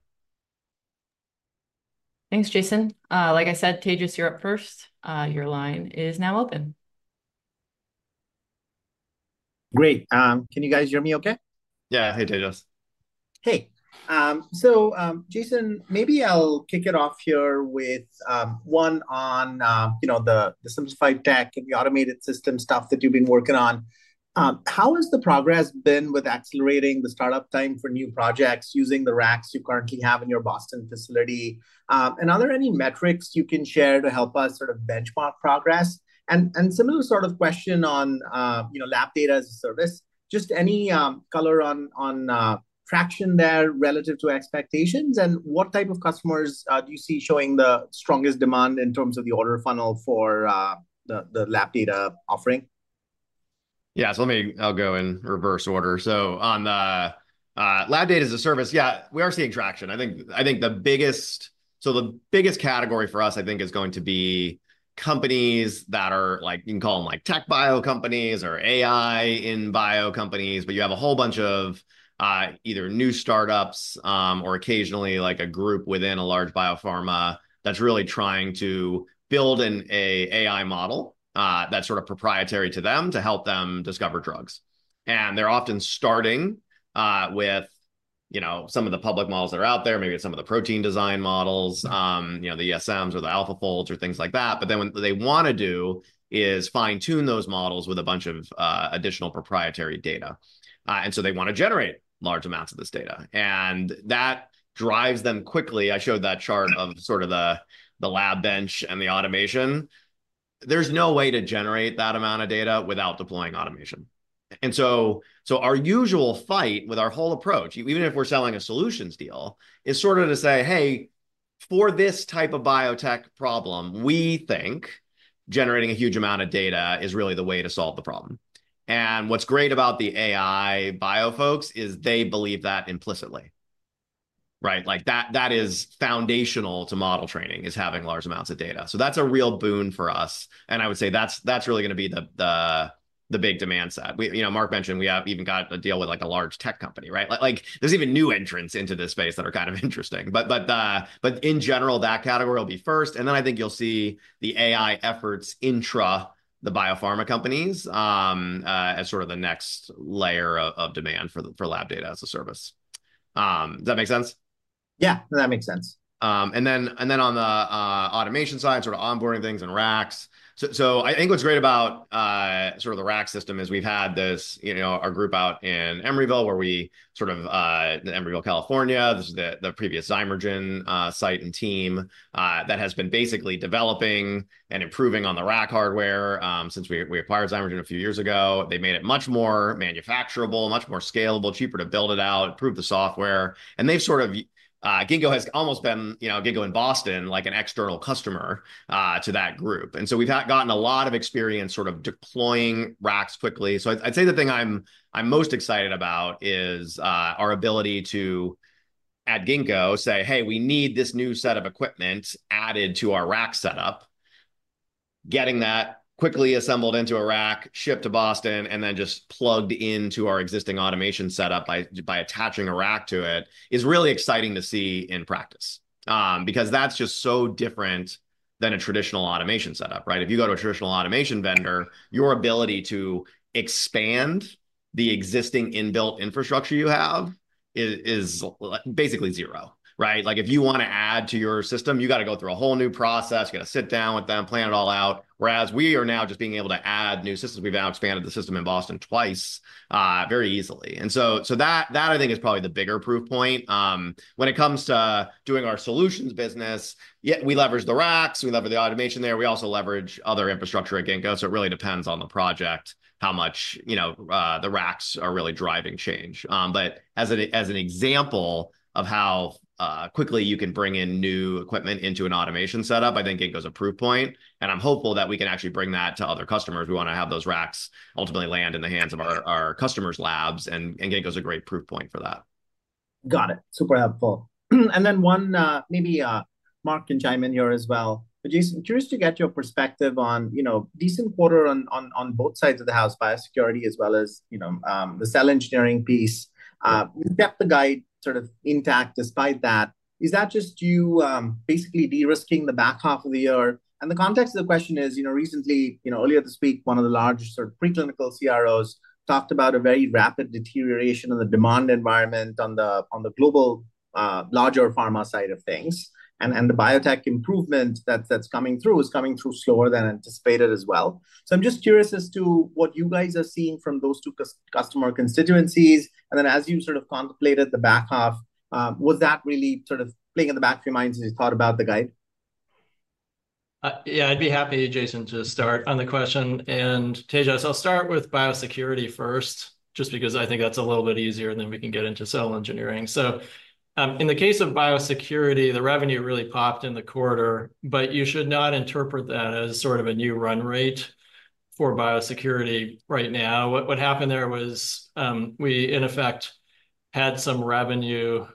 Thanks, Jason. Like I said, Tejas, you're up first. Your line is now open. Great. Can you guys hear me okay? Yeah. Hey, Tejas. Hey, so, Jason, maybe I'll kick it off here with one on, you know, the simplified tech and the automated system stuff that you've been working on. How has the progress been with accelerating the startup time for new projects using the RACs you currently have in your Boston facility? And are there any metrics you can share to help us sort of benchmark progress? And similar sort of question on, you know, Lab Data as a Service, just any color on traction there relative to expectations, and what type of customers do you see showing the strongest demand in terms of the order funnel for the Lab Data offering? Yeah. So let me, I'll go in reverse order. So on the Lab Data as a Service, yeah, we are seeing traction. I think, I think the biggest. So the biggest category for us, I think, is going to be companies that are like, you can call them like tech bio companies or AI in bio companies, but you have a whole bunch of either new start-ups, or occasionally, like a group within a large biopharma that's really trying to build an AI model that's sort of proprietary to them to help them discover drugs. And they're often starting with, you know, some of the public models that are out there, maybe it's some of the protein design models, you know, the ESMs or the AlphaFolds or things like that. But then what they want to do is fine-tune those models with a bunch of, additional proprietary data. And so they want to generate large amounts of this data, and that drives them quickly. I showed that chart of sort of the, the lab bench and the automation. There's no way to generate that amount of data without deploying automation. And so, so our usual fight with our whole approach, even if we're selling a solutions deal, is sort of to say, "Hey, for this type of biotech problem, we think generating a huge amount of data is really the way to solve the problem." And what's great about the AI bio folks is they believe that implicitly, right? Like, that, that is foundational to model training, is having large amounts of data. So that's a real boon for us, and I would say that's really gonna be the big demand side. We, you know, Mark mentioned we have even got a deal with, like, a large tech company, right? Like, there's even new entrants into this space that are kind of interesting. But, but, but in general, that category will be first, and then I think you'll see the AI efforts in the biopharma companies, as sort of the next layer of demand for Lab Data as a Service. Does that make sense? Yeah, that makes sense. And then on the automation side, sort of onboarding things and RACs. So I think what's great about sort of the RAC system is we've had this, you know, our group out in Emeryville, the Emeryville, California. This is the previous Zymergen site and team that has been basically developing and improving on the RAC hardware since we acquired Zymergen a few years ago. They've made it much more manufacturable, much more scalable, cheaper to build it out, improve the software. And they've sort of, Ginkgo has almost been, you know, Ginkgo in Boston, like an external customer to that group. And so we've gotten a lot of experience sort of deploying RACs quickly. So I'd, I'd say the thing I'm, I'm most excited about is our ability to, at Ginkgo, say, "Hey, we need this new set of equipment added to our rack setup," getting that quickly assembled into a rack, shipped to Boston, and then just plugged into our existing automation setup by, by attaching a rack to it, is really exciting to see in practice. Because that's just so different than a traditional automation setup, right? If you go to a traditional automation vendor, your ability to expand the existing in-built infrastructure you have is, like, basically zero, right? Like, if you want to add to your system, you got to go through a whole new process, you got to sit down with them, plan it all out. Whereas we are now just being able to add new systems. We've now expanded the system in Boston twice, very easily. And so that I think is probably the bigger proof point. When it comes to doing our solutions business, yet we leverage the RACs, we leverage the automation there. We also leverage other infrastructure at Ginkgo, so it really depends on the project, how much, you know, the RACs are really driving change. But as an example of how quickly you can bring in new equipment into an automation setup, I think Ginkgo is a proof point, and I'm hopeful that we can actually bring that to other customers. We want to have those RACs ultimately land in the hands of our customers' labs, and Ginkgo is a great proof point for that. Got it. Super helpful. And then one, maybe, Mark can chime in here as well. But Jason, curious to get your perspective on, you know, decent quarter on both sides of the house, biosecurity as well as, you know, the cell engineering piece. You kept the guide sort of intact despite that. Is that just you, basically de-risking the back half of the year? And the context of the question is, you know, recently, you know, earlier this week, one of the largest sort of preclinical CROs talked about a very rapid deterioration in the demand environment on the global larger pharma side of things. And the biotech improvement that's coming through is coming through slower than anticipated as well. So I'm just curious as to what you guys are seeing from those two customer constituencies. As you sort of contemplated the back half, was that really sort of playing in the back of your minds as you thought about the guide? Yeah, I'd be happy, Jason, to start on the question. And Tejas, I'll start with biosecurity first, just because I think that's a little bit easier, and then we can get into cell engineering. So, in the case of biosecurity, the revenue really popped in the quarter, but you should not interpret that as sort of a new run rate for biosecurity right now. What happened there was, we, in effect, had some revenue,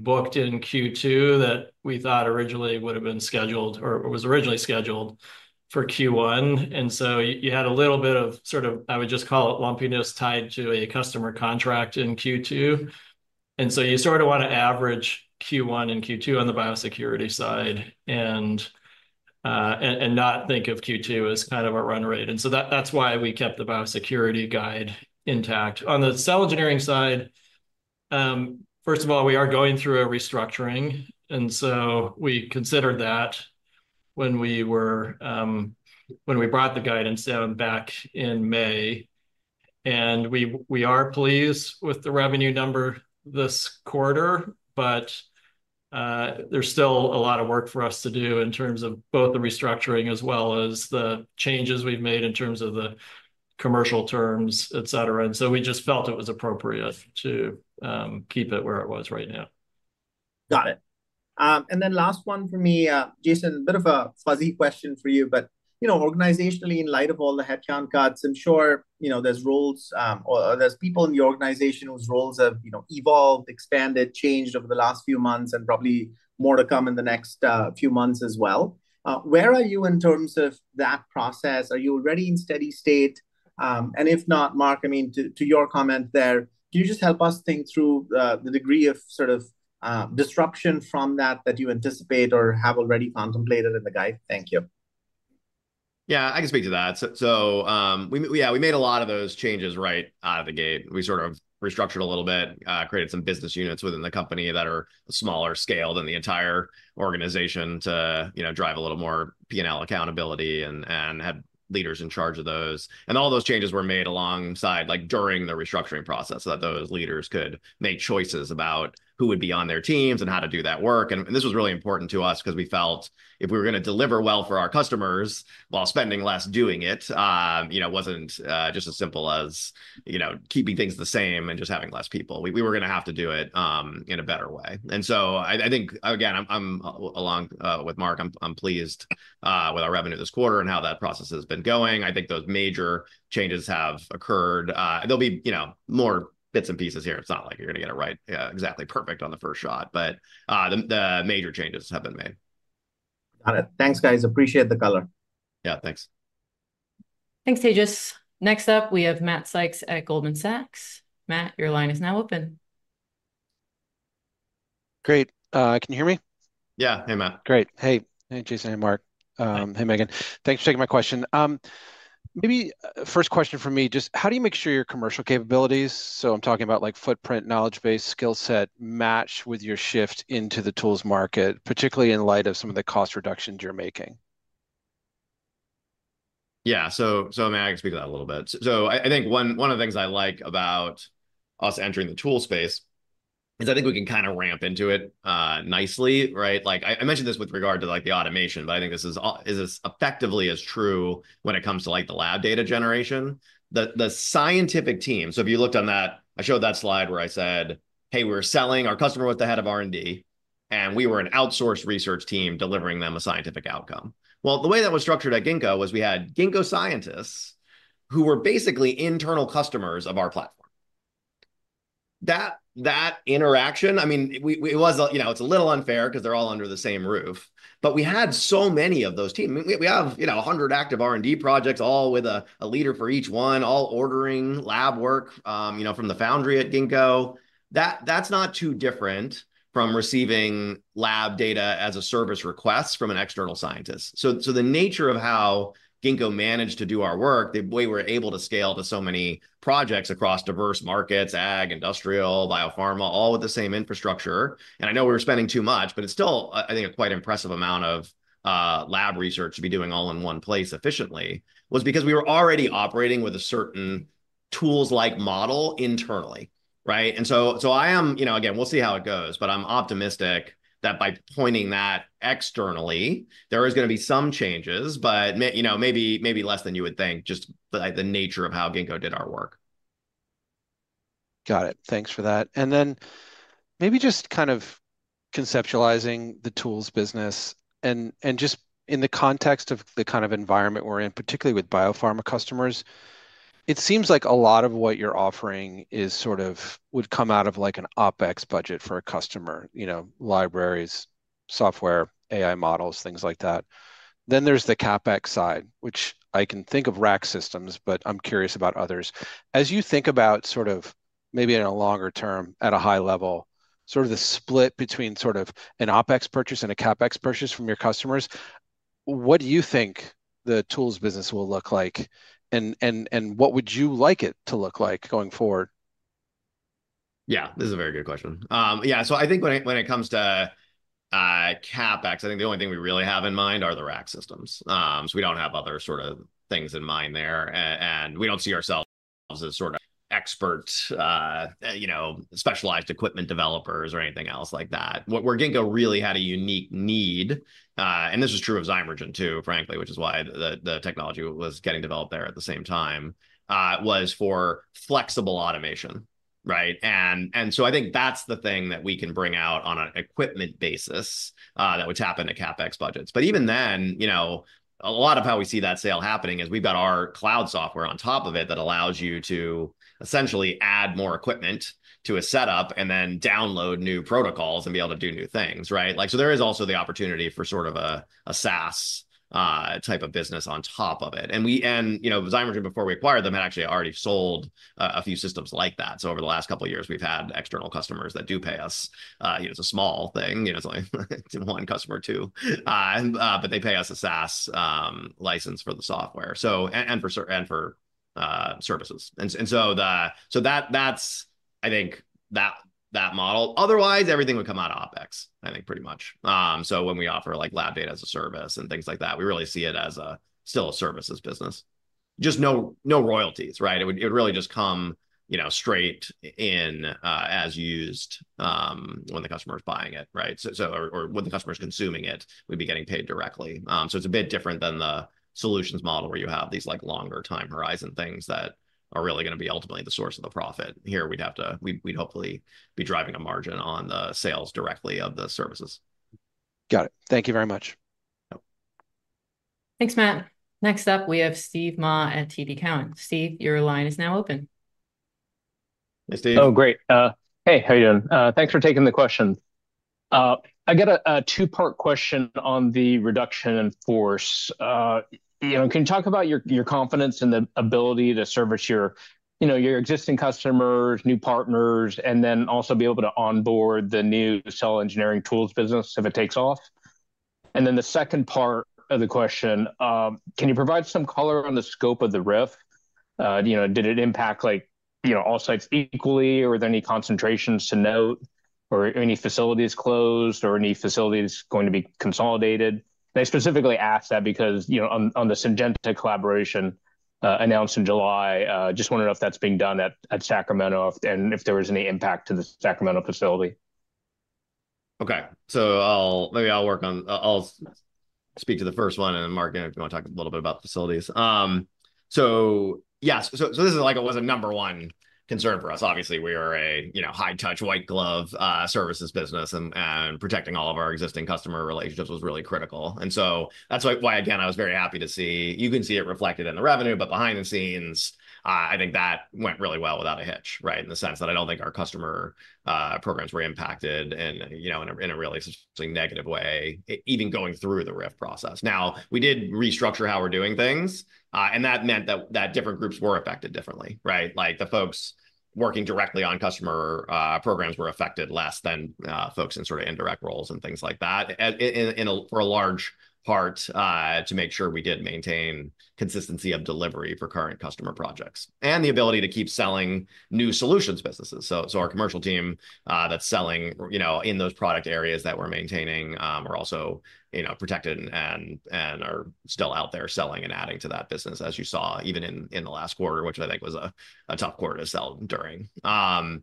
booked in Q2 that we thought originally would have been scheduled or was originally scheduled for Q1. And so you, you had a little bit of, sort of, I would just call it lumpiness, tied to a customer contract in Q2. And so you sort of want to average Q1 and Q2 on the biosecurity side and, and, and not think of Q2 as kind of a run rate. And so that's why we kept the biosecurity guidance intact. On the cell engineering side, first of all, we are going through a restructuring, and so we considered that when we were, when we brought the guidance down back in May. And we, we are pleased with the revenue number this quarter, but, there's still a lot of work for us to do in terms of both the restructuring as well as the changes we've made in terms of the commercial terms, et cetera. And so we just felt it was appropriate to, keep it where it was right now. Got it. And then last one for me, Jason, a bit of a fuzzy question for you, but, you know, organizationally, in light of all the headcount cuts, I'm sure you know, there's roles, or there's people in the organization whose roles have, you know, evolved, expanded, changed over the last few months, and probably more to come in the next few months as well. Where are you in terms of that process? Are you already in steady state? And if not, Mark, I mean, to your comment there, can you just help us think through the degree of sort of disruption from that that you anticipate or have already contemplated in the guide? Thank you. Yeah, I can speak to that. So, we made a lot of those changes right out of the gate. We sort of restructured a little bit, created some business units within the company that are smaller scale than the entire organization to, you know, drive a little more P&L accountability and have leaders in charge of those. And all those changes were made alongside, like, during the restructuring process, so that those leaders could make choices about who would be on their teams and how to do that work. And this was really important to us because we felt if we were going to deliver well for our customers while spending less doing it, you know, it wasn't just as simple as, you know, keeping things the same and just having less people. We were gonna have to do it in a better way. And so I think, again, I'm along with Mark, I'm pleased with our revenue this quarter and how that process has been going. I think those major changes have occurred. There'll be, you know, more bits and pieces here. It's not like you're gonna get it right exactly perfect on the first shot, but the major changes have been made. Got it. Thanks, guys. Appreciate the color. Yeah, thanks. Thanks, Tejas. Next up, we have Matt Sykes at Goldman Sachs. Matt, your line is now open. Great. Can you hear me? Yeah. Hey, Matt. Great. Hey. Hey, Jason and Mark. Hey, Megan. Thanks for taking my question. Maybe first question for me, just how do you make sure your commercial capabilities, so I'm talking about, like, footprint, knowledge base, skill set, match with your shift into the tools market, particularly in light of some of the cost reductions you're making? Yeah. So, I mean, I can speak to that a little bit. So I think one of the things I like about us entering the tool space is I think we can kind of ramp into it nicely, right? Like I mentioned this with regard to, like, the automation, but I think this is also as effectively as true when it comes to, like, the lab data generation. The scientific team. So if you looked on that, I showed that slide where I said, "Hey, we're selling..." Our customer was the head of R&D, and we were an outsourced research team delivering them a scientific outcome. Well, the way that was structured at Ginkgo was we had Ginkgo scientists who were basically internal customers of our platform. That interaction, I mean, it was, you know, it's a little unfair 'cause they're all under the same roof, but we had so many of those teams. We have, you know, 100 active R&D projects, all with a leader for each one, all ordering lab work, you know, from the foundry at Ginkgo. That's not too different from receiving Lab Data as a Service request from an external scientist. So, the nature of how Ginkgo managed to do our work, the way we're able to scale to so many projects across diverse markets, ag, industrial, biopharma, all with the same infrastructure, and I know we were spending too much, but it's still, I think, a quite impressive amount of lab research to be doing all in one place efficiently, was because we were already operating with a certain tools-like model internally, right? And so, I am. You know, again, we'll see how it goes, but I'm optimistic that by pointing that externally, there is gonna be some changes, but you know, maybe, maybe less than you would think, just by the nature of how Ginkgo did our work. Got it. Thanks for that. And then maybe just kind of conceptualizing the tools business and just in the context of the kind of environment we're in, particularly with biopharma customers, it seems like a lot of what you're offering is sort of would come out of, like, an OpEx budget for a customer. You know, libraries, software, AI models, things like that. Then there's the CapEx side, which I can think of Rack systems, but I'm curious about others. As you think about, sort of maybe in a longer term, at a high level, sort of the split between sort of an OpEx purchase and a CapEx purchase from your customers, what do you think the tools business will look like, and what would you like it to look like going forward? Yeah, this is a very good question. Yeah, so I think when it comes to CapEx, I think the only thing we really have in mind are the RAC systems. So we don't have other sort of things in mind there, and we don't see ourselves as sort of experts, you know, specialized equipment developers or anything else like that. Where Ginkgo really had a unique need, and this is true of Zymergen too, frankly, which is why the technology was getting developed there at the same time, was for flexible automation, right? And so I think that's the thing that we can bring out on an equipment basis, that would tap into CapEx budgets. But even then, you know, a lot of how we see that sale happening is we've got our cloud software on top of it that allows you to essentially add more equipment to a setup and then download new protocols and be able to do new things, right? Like, so there is also the opportunity for sort of a SaaS type of business on top of it. And we, you know, Zymergen, before we acquired them, had actually already sold a few systems like that. So over the last couple of years, we've had external customers that do pay us. You know, it's a small thing, you know, it's only one customer, two. But they pay us a SaaS license for the software. So, and for certain services. So that's, I think, that model. Otherwise, everything would come out of OpEx, I think, pretty much. So when we offer, like, Lab Data as a Service and things like that, we really see it as still a services business. Just no royalties, right? It would really just come, you know, straight in as used when the customer is buying it, right? So or when the customer's consuming it, we'd be getting paid directly. So it's a bit different than the solutions model, where you have these, like, longer time horizon things that are really gonna be ultimately the source of the profit. Here, we'd have to. We'd hopefully be driving a margin on the sales directly of the services. Got it. Thank you very much. Yep. Thanks, Matt. Next up, we have Steven Mah at TD Cowen. Steven, your line is now open. Hey, Steve. Oh, great. Hey, how are you doing? Thanks for taking the question. I got a two-part question on the reduction in force. You know, can you talk about your confidence in the ability to service your, you know, your existing customers, new partners, and then also be able to onboard the new cell engineering tools business if it takes off? And then the second part of the question, can you provide some color on the scope of the RIF? You know, did it impact like, you know, all sites equally, or were there any concentrations to note, or any facilities closed, or any facilities going to be consolidated? I specifically ask that because, you know, on the Syngenta collaboration announced in July, just wondering if that's being done at Sacramento, and if there was any impact to the Sacramento facility. Okay. So I'll speak to the first one, and then, Mark, if you want to talk a little bit about the facilities. So yeah, so, so this is, like, it was a number one concern for us. Obviously, we are a, you know, high-touch, white glove, services business, and, and protecting all of our existing customer relationships was really critical. And so that's why, why, again, I was very happy to see. You can see it reflected in the revenue, but behind the scenes, I think that went really well without a hitch, right? In the sense that I don't think our customer programs were impacted and, you know, in a, in a really significantly negative way, even going through the RIF process. Now, we did restructure how we're doing things, and that meant that different groups were affected differently, right? Like, the folks working directly on customer programs were affected less than folks in sort of indirect roles and things like that. And in a large part, to make sure we did maintain consistency of delivery for current customer projects and the ability to keep selling new solutions businesses. So our commercial team, that's selling, you know, in those product areas that we're maintaining, are also, you know, protected and are still out there selling and adding to that business, as you saw even in the last quarter, which I think was a tough quarter to sell during. You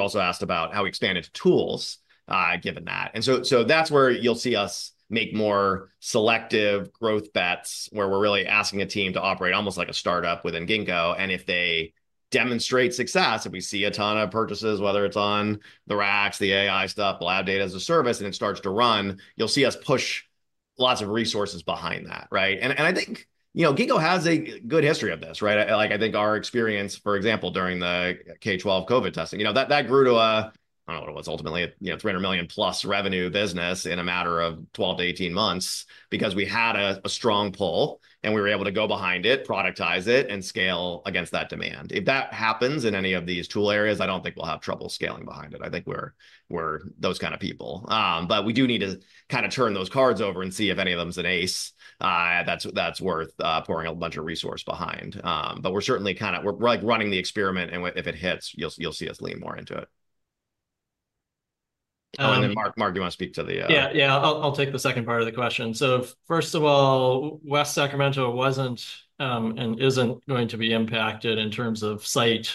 also asked about how we expanded tools, given that. So that's where you'll see us make more selective growth bets, where we're really asking a team to operate almost like a start-up within Ginkgo. And if they demonstrate success, if we see a ton of purchases, whether it's on the RACs, the AI stuff, Lab Data as a Service, and it starts to run, you'll see us push lots of resources behind that, right? And I think, you know, Ginkgo has a good history of this, right? Like, I think our experience, for example, during the K-12 COVID testing, you know, that grew to a $300 million+ revenue business in a matter of 12-18 months because we had a strong pull, and we were able to go behind it, productize it, and scale against that demand. If that happens in any of these tool areas, I don't think we'll have trouble scaling behind it. I think we're those kind of people. But we do need to kind of turn those cards over and see if any of them is an ace, that's worth pouring a bunch of resource behind. But we're certainly kind of like running the experiment, and if it hits, you'll see us lean more into it. And then, Mark, Mark, do you want to speak to the? Yeah, yeah, I'll take the second part of the question. So first of all, West Sacramento wasn't and isn't going to be impacted in terms of site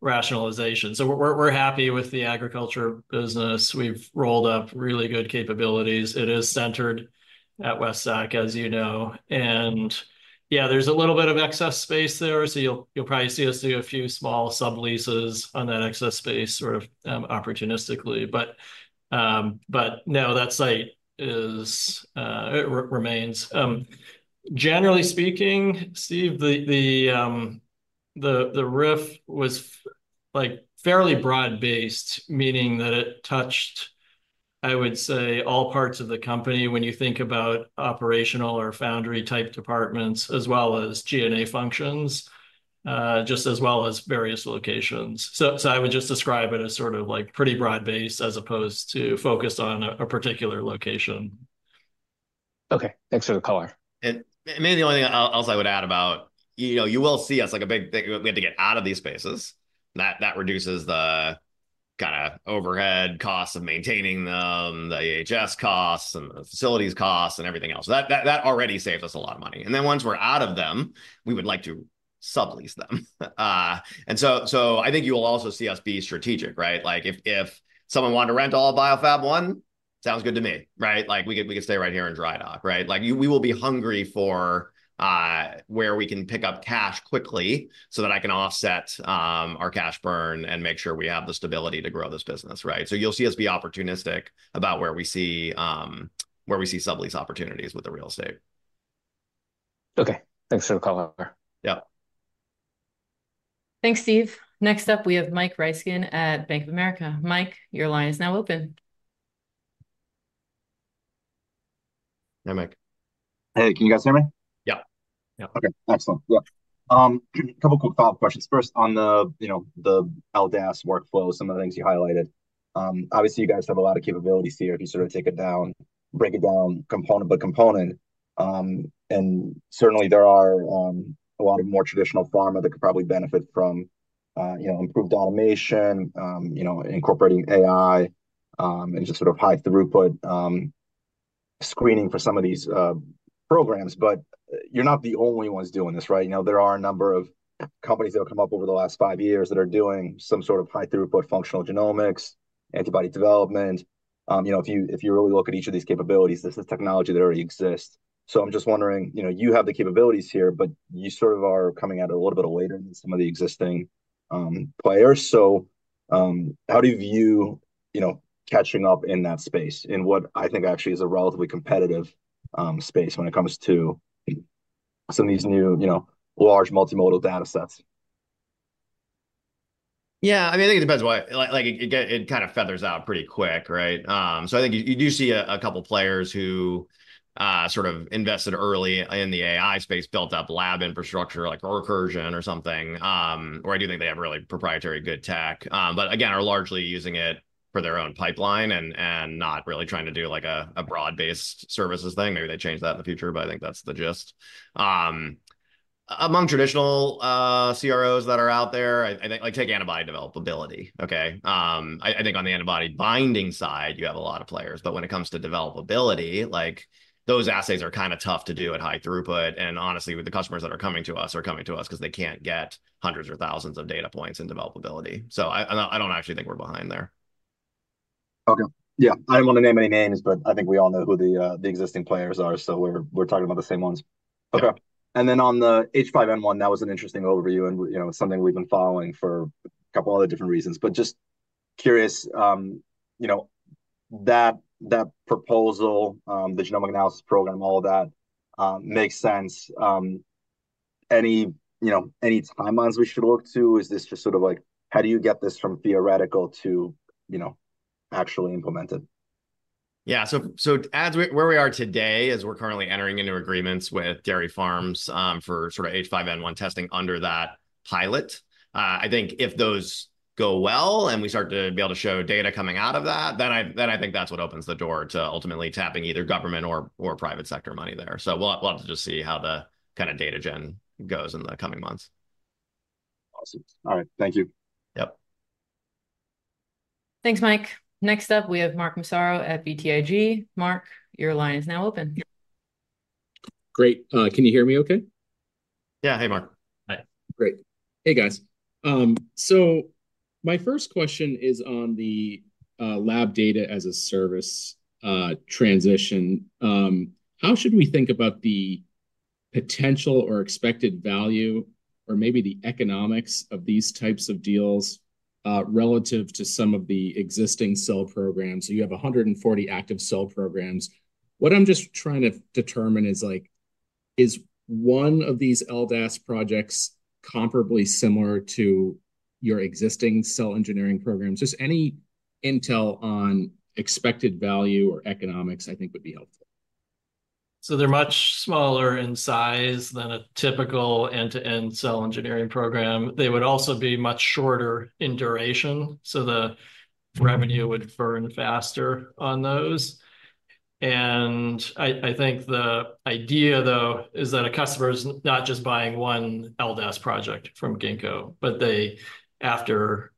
rationalization. So we're happy with the agriculture business. We've rolled up really good capabilities. It is centered at West Sac, as you know. And yeah, there's a little bit of excess space there, so you'll probably see us do a few small subleases on that excess space, sort of opportunistically. But but no, that site is it remains. Generally speaking, Steve, the RIF was, like, fairly broad-based, meaning that it touched, I would say, all parts of the company when you think about operational or foundry-type departments, as well as G&A functions, just as well as various locations. I would just describe it as sort of, like, pretty broad-based, as opposed to focused on a particular location. Okay. Thanks for the color. And maybe the only thing I'll also add about, you will see us, like, a big, we had to get out of these spaces. That reduces the kinda overhead costs of maintaining them, the EHS costs and the facilities costs and everything else. That already saves us a lot of money. And then, once we're out of them, we would like to sublease them. And so, I think you will also see us be strategic, right? Like, if someone wanted to rent all Biofab1, sounds good to me, right? Like, we could stay right here in Drydock, right? Like, we will be hungry for where we can pick up cash quickly so that I can offset our cash burn and make sure we have the stability to grow this business, right? So you'll see us be opportunistic about where we see sublease opportunities with the real estate. Okay. Thanks for the color. Yeah. Thanks, Steve. Next up, we have Mike Ryskin at Bank of America. Mike, your line is now open. Hi, Mike. Hey, can you guys hear me? Yeah. Yeah. Okay, excellent. Yeah. A couple quick follow-up questions. First, on the, you know, the LDAS workflow, some of the things you highlighted. Obviously you guys have a lot of capabilities here, if you sort of take it down, break it down component by component. And certainly there are a lot of more traditional pharma that could probably benefit from, you know, improved automation, you know, incorporating AI, and just sort of high-throughput screening for some of these programs. But you're not the only ones doing this, right? You know, there are a number of companies that have come up over the last five years that are doing some sort of high-throughput functional genomics, antibody development. You know, if you really look at each of these capabilities, this is technology that already exists. So I'm just wondering, you know, you have the capabilities here, but you sort of are coming at it a little bit later than some of the existing players. So, how do you view, you know, catching up in that space, in what I think actually is a relatively competitive space when it comes to some of these new, you know, large multimodal data sets? Yeah, I mean, I think it depends what- like, it kind of feathers out pretty quick, right? So I think you do see a couple players who sort of invested early in the AI space, built up lab infrastructure, like Recursion or something, or I do think they have really proprietary good tech. But again, are largely using it for their own pipeline and not really trying to do like a broad-based services thing. Maybe they change that in the future, but I think that's the gist. Among traditional CROs that are out there, I think like take antibody developability, okay? I think on the antibody binding side, you have a lot of players, but when it comes to developability, like those assays are kind of tough to do at high throughput. And honestly, with the customers that are coming to us are coming to us 'cause they can't get hundreds or thousands of data points in developability. So I, I don't actually think we're behind there. Okay. Yeah, I don't want to name any names, but I think we all know who the existing players are, so we're talking about the same ones. Yeah. Okay. And then on the H5N1, that was an interesting overview, and, you know, something we've been following for a couple other different reasons. But just curious, you know, that, that proposal, the Genomic Analysis Program, all of that, makes sense. Any, you know, any timelines we should look to? Is this just sort of like. How do you get this from theoretical to, you know, actually implemented? Yeah. So, where we are today is we're currently entering into agreements with dairy farms for sort of H5N1 testing under that pilot. I think if those go well, and we start to be able to show data coming out of that, then I think that's what opens the door to ultimately tapping either government or private sector money there. So we'll have to just see how the kind of data gen goes in the coming months. Awesome. All right, thank you. Yep. Thanks, Mike. Next up, we have Mark Massaro at BTIG. Mark, your line is now open. Great. Can you hear me okay? Yeah. Hey, Mark. Hi. Great. Hey, guys. So my first question is on the Lab Data as a Service transition. How should we think about the potential or expected value, or maybe the economics of these types of deals relative to some of the existing cell programs? So you have 140 active cell programs. What I'm just trying to determine is, like, is one of these LDAS projects comparably similar to your existing cell engineering programs? Just any intel on expected value or economics, I think would be helpful. So they're much smaller in size than a typical end-to-end cell engineering program. They would also be much shorter in duration, so the revenue would burn faster on those. And I, I think the idea, though, is that a customer is not just buying one LDAS project from Ginkgo, but they, after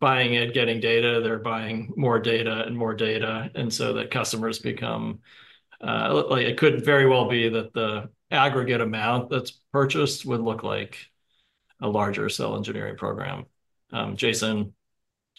buying it, getting data, they're buying more data and more data, and so the customers become. Like, it could very well be that the aggregate amount that's purchased would look like a larger cell engineering program. Jason, do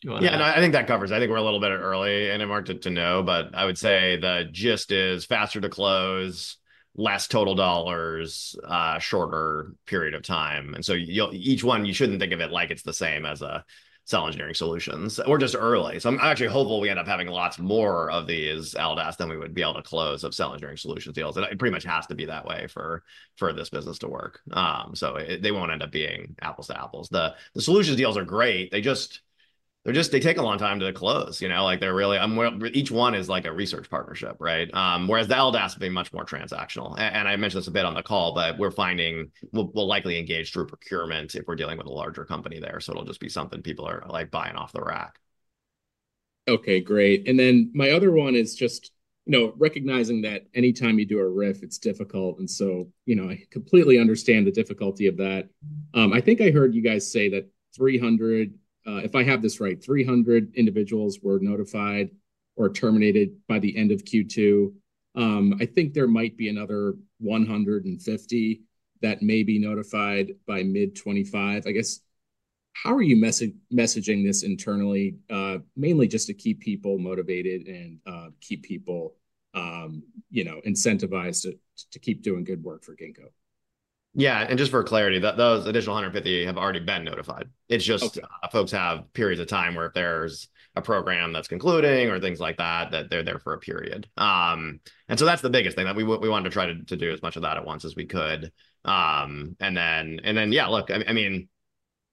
you want to- Yeah, no, I think that covers it. I think we're a little bit early, and I marked it, you know, but I would say the gist is faster to close, less total dollars, shorter period of time. And so you'll each one, you shouldn't think of it like it's the same as a cell engineering solutions. We're just early, so I'm actually hopeful we end up having lots more of these LDAS than we would be able to close up cell engineering solutions deals. It pretty much has to be that way for this business to work. So it, they won't end up being apples to apples. The solutions deals are great, they just, they're just, they take a long time to close, you know? Like, they're really. Well, each one is like a research partnership, right? Whereas the LDAS will be much more transactional. And I mentioned this a bit on the call, but we're finding we'll likely engage through procurement if we're dealing with a larger company there. So it'll just be something people are, like, buying off the rack. Okay, great. And then my other one is just, you know, recognizing that any time you do a RIF, it's difficult. And so, you know, I completely understand the difficulty of that. I think I heard you guys say that 300, if I have this right, 300 individuals were notified or terminated by the end of Q2. I think there might be another 150 that may be notified by mid 2025. I guess, how are you messaging this internally, mainly just to keep people motivated and keep people, you know, incentivized to keep doing good work for Ginkgo? Yeah, and just for clarity, those additional 150 have already been notified. Okay. It's just, folks have periods of time where if there's a program that's concluding or things like that, that they're there for a period. And so that's the biggest thing, that we wanted to try to do as much of that at once as we could. And then, yeah, look, I mean,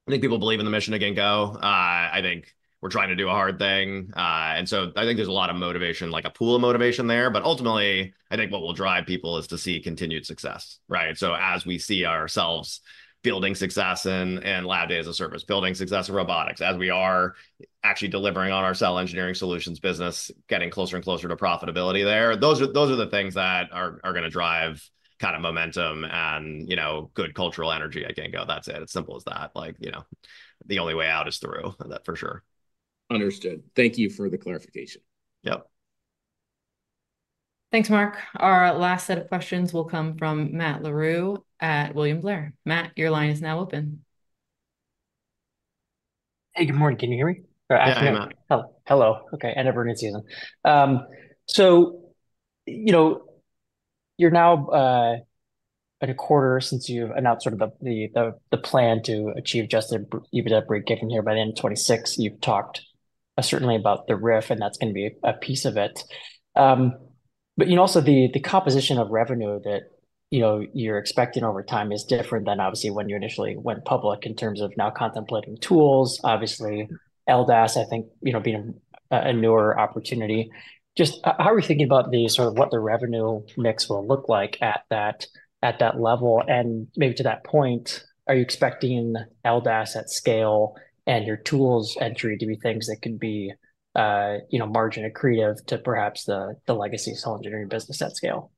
I think people believe in the mission of Ginkgo. I think we're trying to do a hard thing. And so I think there's a lot of motivation, like a pool of motivation there, but ultimately, I think what will drive people is to see continued success, right? So as we see ourselves building success in lab as a service, building success in robotics, as we are actually delivering on our cell engineering solutions business, getting closer and closer to profitability there, those are the things that are gonna drive kind of momentum and, you know, good cultural energy at Ginkgo. That's it, it's as simple as that. Like, you know, the only way out is through, that for sure. Understood. Thank you for the clarification. Yep. Thanks, Mark. Our last set of questions will come from Matt Larew at William Blair. Matt, your line is now open. Hey, good morning. Can you hear me? Or afternoon? Yeah, hi, Matt. Hello. Okay, end of earnings season. So, you know, you're now in a quarter since you've announced the plan to achieve adjusted EBITDA break-even here by the end of 2026. You've talked certainly about the RIF, and that's gonna be a piece of it. But, you know, also the composition of revenue that, you know, you're expecting over time is different than obviously when you initially went public in terms of now contemplating tools, obviously LDAS, I think, you know, being a newer opportunity. Just how are you thinking about the sort of what the revenue mix will look like at that level? And maybe to that point, are you expecting LDAS at scale and your tools entry to be things that can be, you know, margin accretive to perhaps the legacy cell engineering business at scale?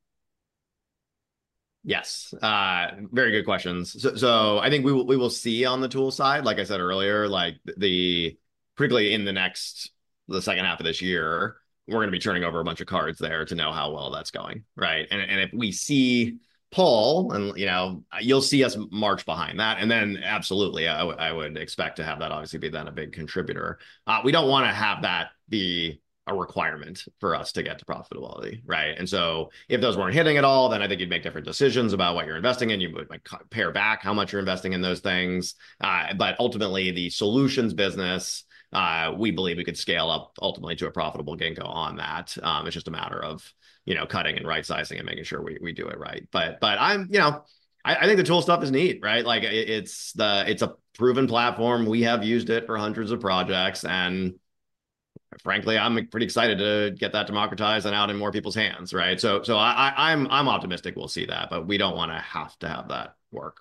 Yes. Very good questions. So, so I think we will, we will see on the tool side, like I said earlier, like, particularly in the next, the second half of this year, we're gonna be turning over a bunch of cards there to know how well that's going, right? And, and if we see pull, and, you know, you'll see us march behind that, and then absolutely, I would, I would expect to have that obviously be then a big contributor. We don't wanna have that be a requirement for us to get to profitability, right? And so if those weren't hitting at all, then I think you'd make different decisions about what you're investing in. You would like cut, pare back how much you're investing in those things. But ultimately, the solutions business, we believe we could scale up ultimately to a profitable Ginkgo on that. It's just a matter of, you know, cutting and right-sizing and making sure we do it right. But I'm, I think the tool stuff is neat, right? Like, it's a proven platform. We have used it for hundreds of projects, and frankly, I'm pretty excited to get that democratized and out in more people's hands, right? So, I'm optimistic we'll see that, but we don't wanna have to have that work.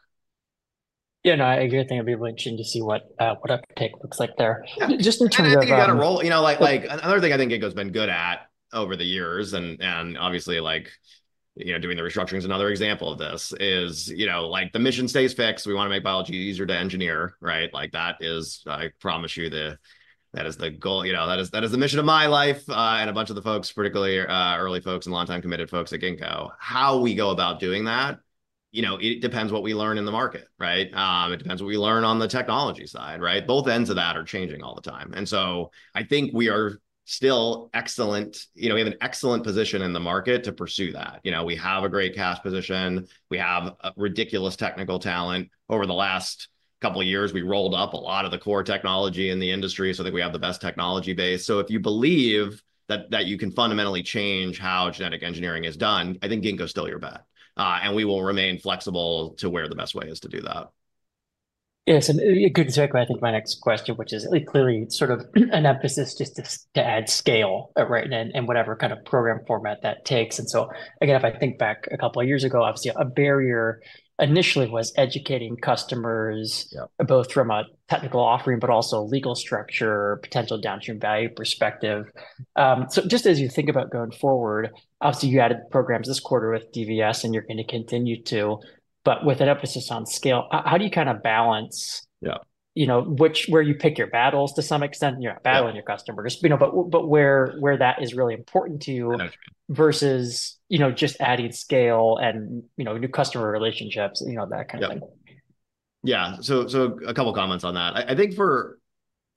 Yeah, no, I think it'd be interesting to see what uptake looks like there. Yeah. Just in terms of, I think you gotta roll, like, another thing I think Ginkgo's been good at over the years, and obviously, like, you know, doing the restructuring is another example of this, is, you know, like, the mission stays fixed. We wanna make biology easier to engineer, right? Like, that is, I promise you, that is the goal. You know, that is, that is the mission of my life, and a bunch of the folks, particularly, early folks and longtime committed folks at Ginkgo. How we go about doing that, you know, it depends what we learn in the market, right? It depends what we learn on the technology side, right? Both ends of that are changing all the time. And so I think we are still excellent. You know, we have an excellent position in the market to pursue that. You know, we have a great cash position. We have ridiculous technical talent. Over the last couple of years, we rolled up a lot of the core technology in the industry, so I think we have the best technology base. So if you believe that you can fundamentally change how genetic engineering is done, I think Ginkgo's still your bet. And we will remain flexible to where the best way is to do that. Yes, and it goes directly to, I think, my next question, which is clearly sort of an emphasis just to, to add scale, right, and, and whatever kind of program format that takes. And so, again, if I think back a couple of years ago, obviously, a barrier initially was educating customers- Yeah... both from a technical offering, but also legal structure, potential downstream value perspective. So just as you think about going forward, obviously, you added programs this quarter with DVS, and you're gonna continue to, but with an emphasis on scale, how do you kind of balance- Yeah... you know, which, where you pick your battles to some extent, and you're not battling your customers- Yeah... you know, but where that is really important to you- I know... versus, you know, just adding scale and, you know, new customer relationships, you know, that kind of thing? Yeah. Yeah, so a couple of comments on that. I think for the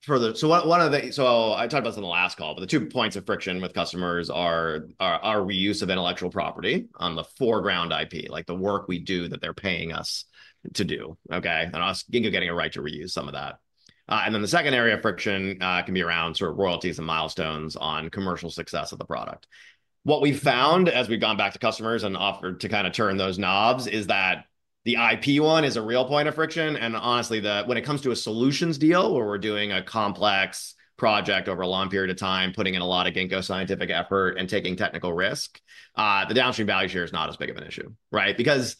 – so one of the – so I talked about this on the last call, but the two points of friction with customers are our reuse of intellectual property on the foreground IP, like the work we do that they're paying us to do, okay? And us, Ginkgo, getting a right to reuse some of that. And then the second area of friction can be around sort of royalties and milestones on commercial success of the product. What we've found as we've gone back to customers and offered to kind of turn those knobs is that the IP one is a real point of friction, and honestly, when it comes to a solutions deal, where we're doing a complex project over a long period of time, putting in a lot of Ginkgo scientific effort and taking technical risk, the downstream value share is not as big of an issue, right? Because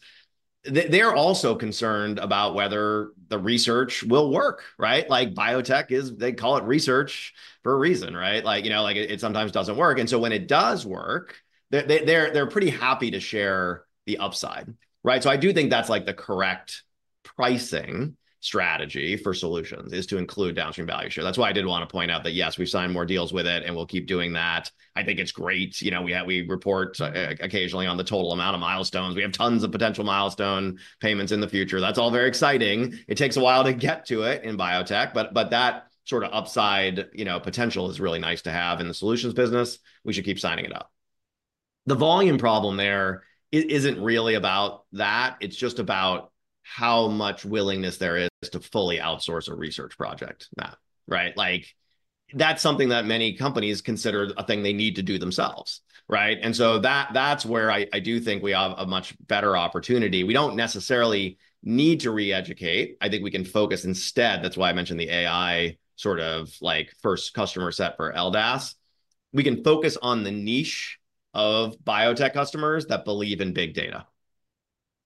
they, they're also concerned about whether the research will work, right? Like, biotech is, they call it research for a reason, right? Like, you know, like, it, it sometimes doesn't work, and so when it does work, they, they, they're pretty happy to share the upside, right? So I do think that's, like, the correct pricing strategy for solutions, is to include downstream value share. That's why I did wanna point out that, yes, we've signed more deals with it, and we'll keep doing that. I think it's great. You know, we report occasionally on the total amount of milestones. We have tons of potential milestone payments in the future. That's all very exciting. It takes a while to get to it in biotech, but that sort of upside, you know, potential is really nice to have in the solutions business. We should keep signing it up. The volume problem there isn't really about that. It's just about how much willingness there is to fully outsource a research project, Matt, right? Like that's something that many companies consider a thing they need to do themselves, right? And so that, that's where I do think we have a much better opportunity. We don't necessarily need to re-educate. I think we can focus instead, that's why I mentioned the AI sort of, like, first customer set for LDAS. We can focus on the niche of biotech customers that believe in big data,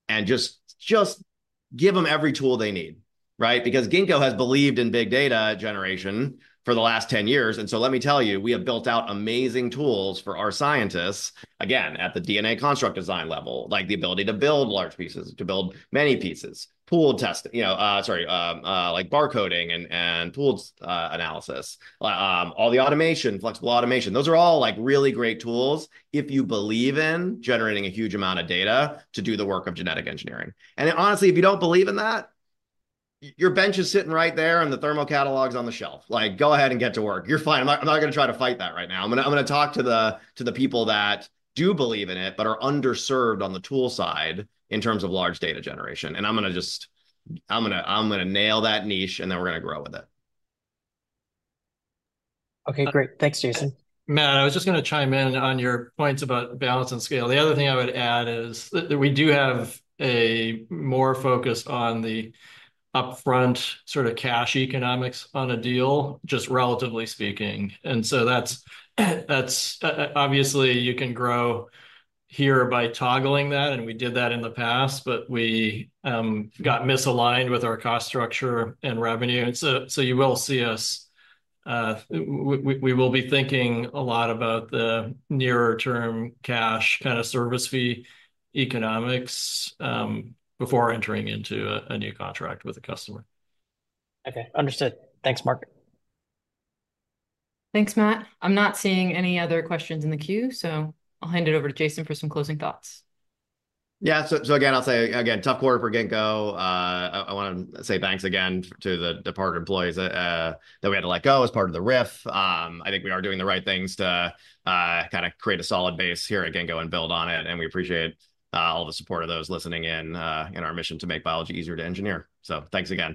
and just, just give them every tool they need, right? Because Ginkgo has believed in big data generation for the last 10 years, and so let me tell you, we have built out amazing tools for our scientists, again, at the DNA construct design level, like the ability to build large pieces, to build many pieces, pool testing, you know, like bar coding and, and pool analysis. All the automation, flexible automation, those are all, like, really great tools if you believe in generating a huge amount of data to do the work of genetic engineering. And then honestly, if you don't believe in that, your bench is sitting right there and the Thermo catalog's on the shelf. Like, go ahead and get to work. You're fine. I'm not, I'm not gonna try to fight that right now. I'm gonna, I'm gonna talk to the, to the people that do believe in it, but are underserved on the tool side in terms of large data generation, and I'm gonna just... I'm gonna, I'm gonna nail that niche, and then we're gonna grow with it. Okay, great. Thanks, Jason. Matt, I was just gonna chime in on your points about balance and scale. The other thing I would add is that we do have a more focus on the upfront sort of cash economics on a deal, just relatively speaking. And so that's obviously you can grow here by toggling that, and we did that in the past, but we got misaligned with our cost structure and revenue. And so you will see us. We will be thinking a lot about the nearer-term cash kind of service fee economics before entering into a new contract with a customer. Okay, understood. Thanks, Mark. Thanks, Matt. I'm not seeing any other questions in the queue, so I'll hand it over to Jason for some closing thoughts. Yeah, so again, I'll say again, tough quarter for Ginkgo. I wanna say thanks again to the departed employees that we had to let go as part of the RIF. I think we are doing the right things to kind of create a solid base here at Ginkgo and build on it, and we appreciate all the support of those listening in in our mission to make biology easier to engineer. Thanks again.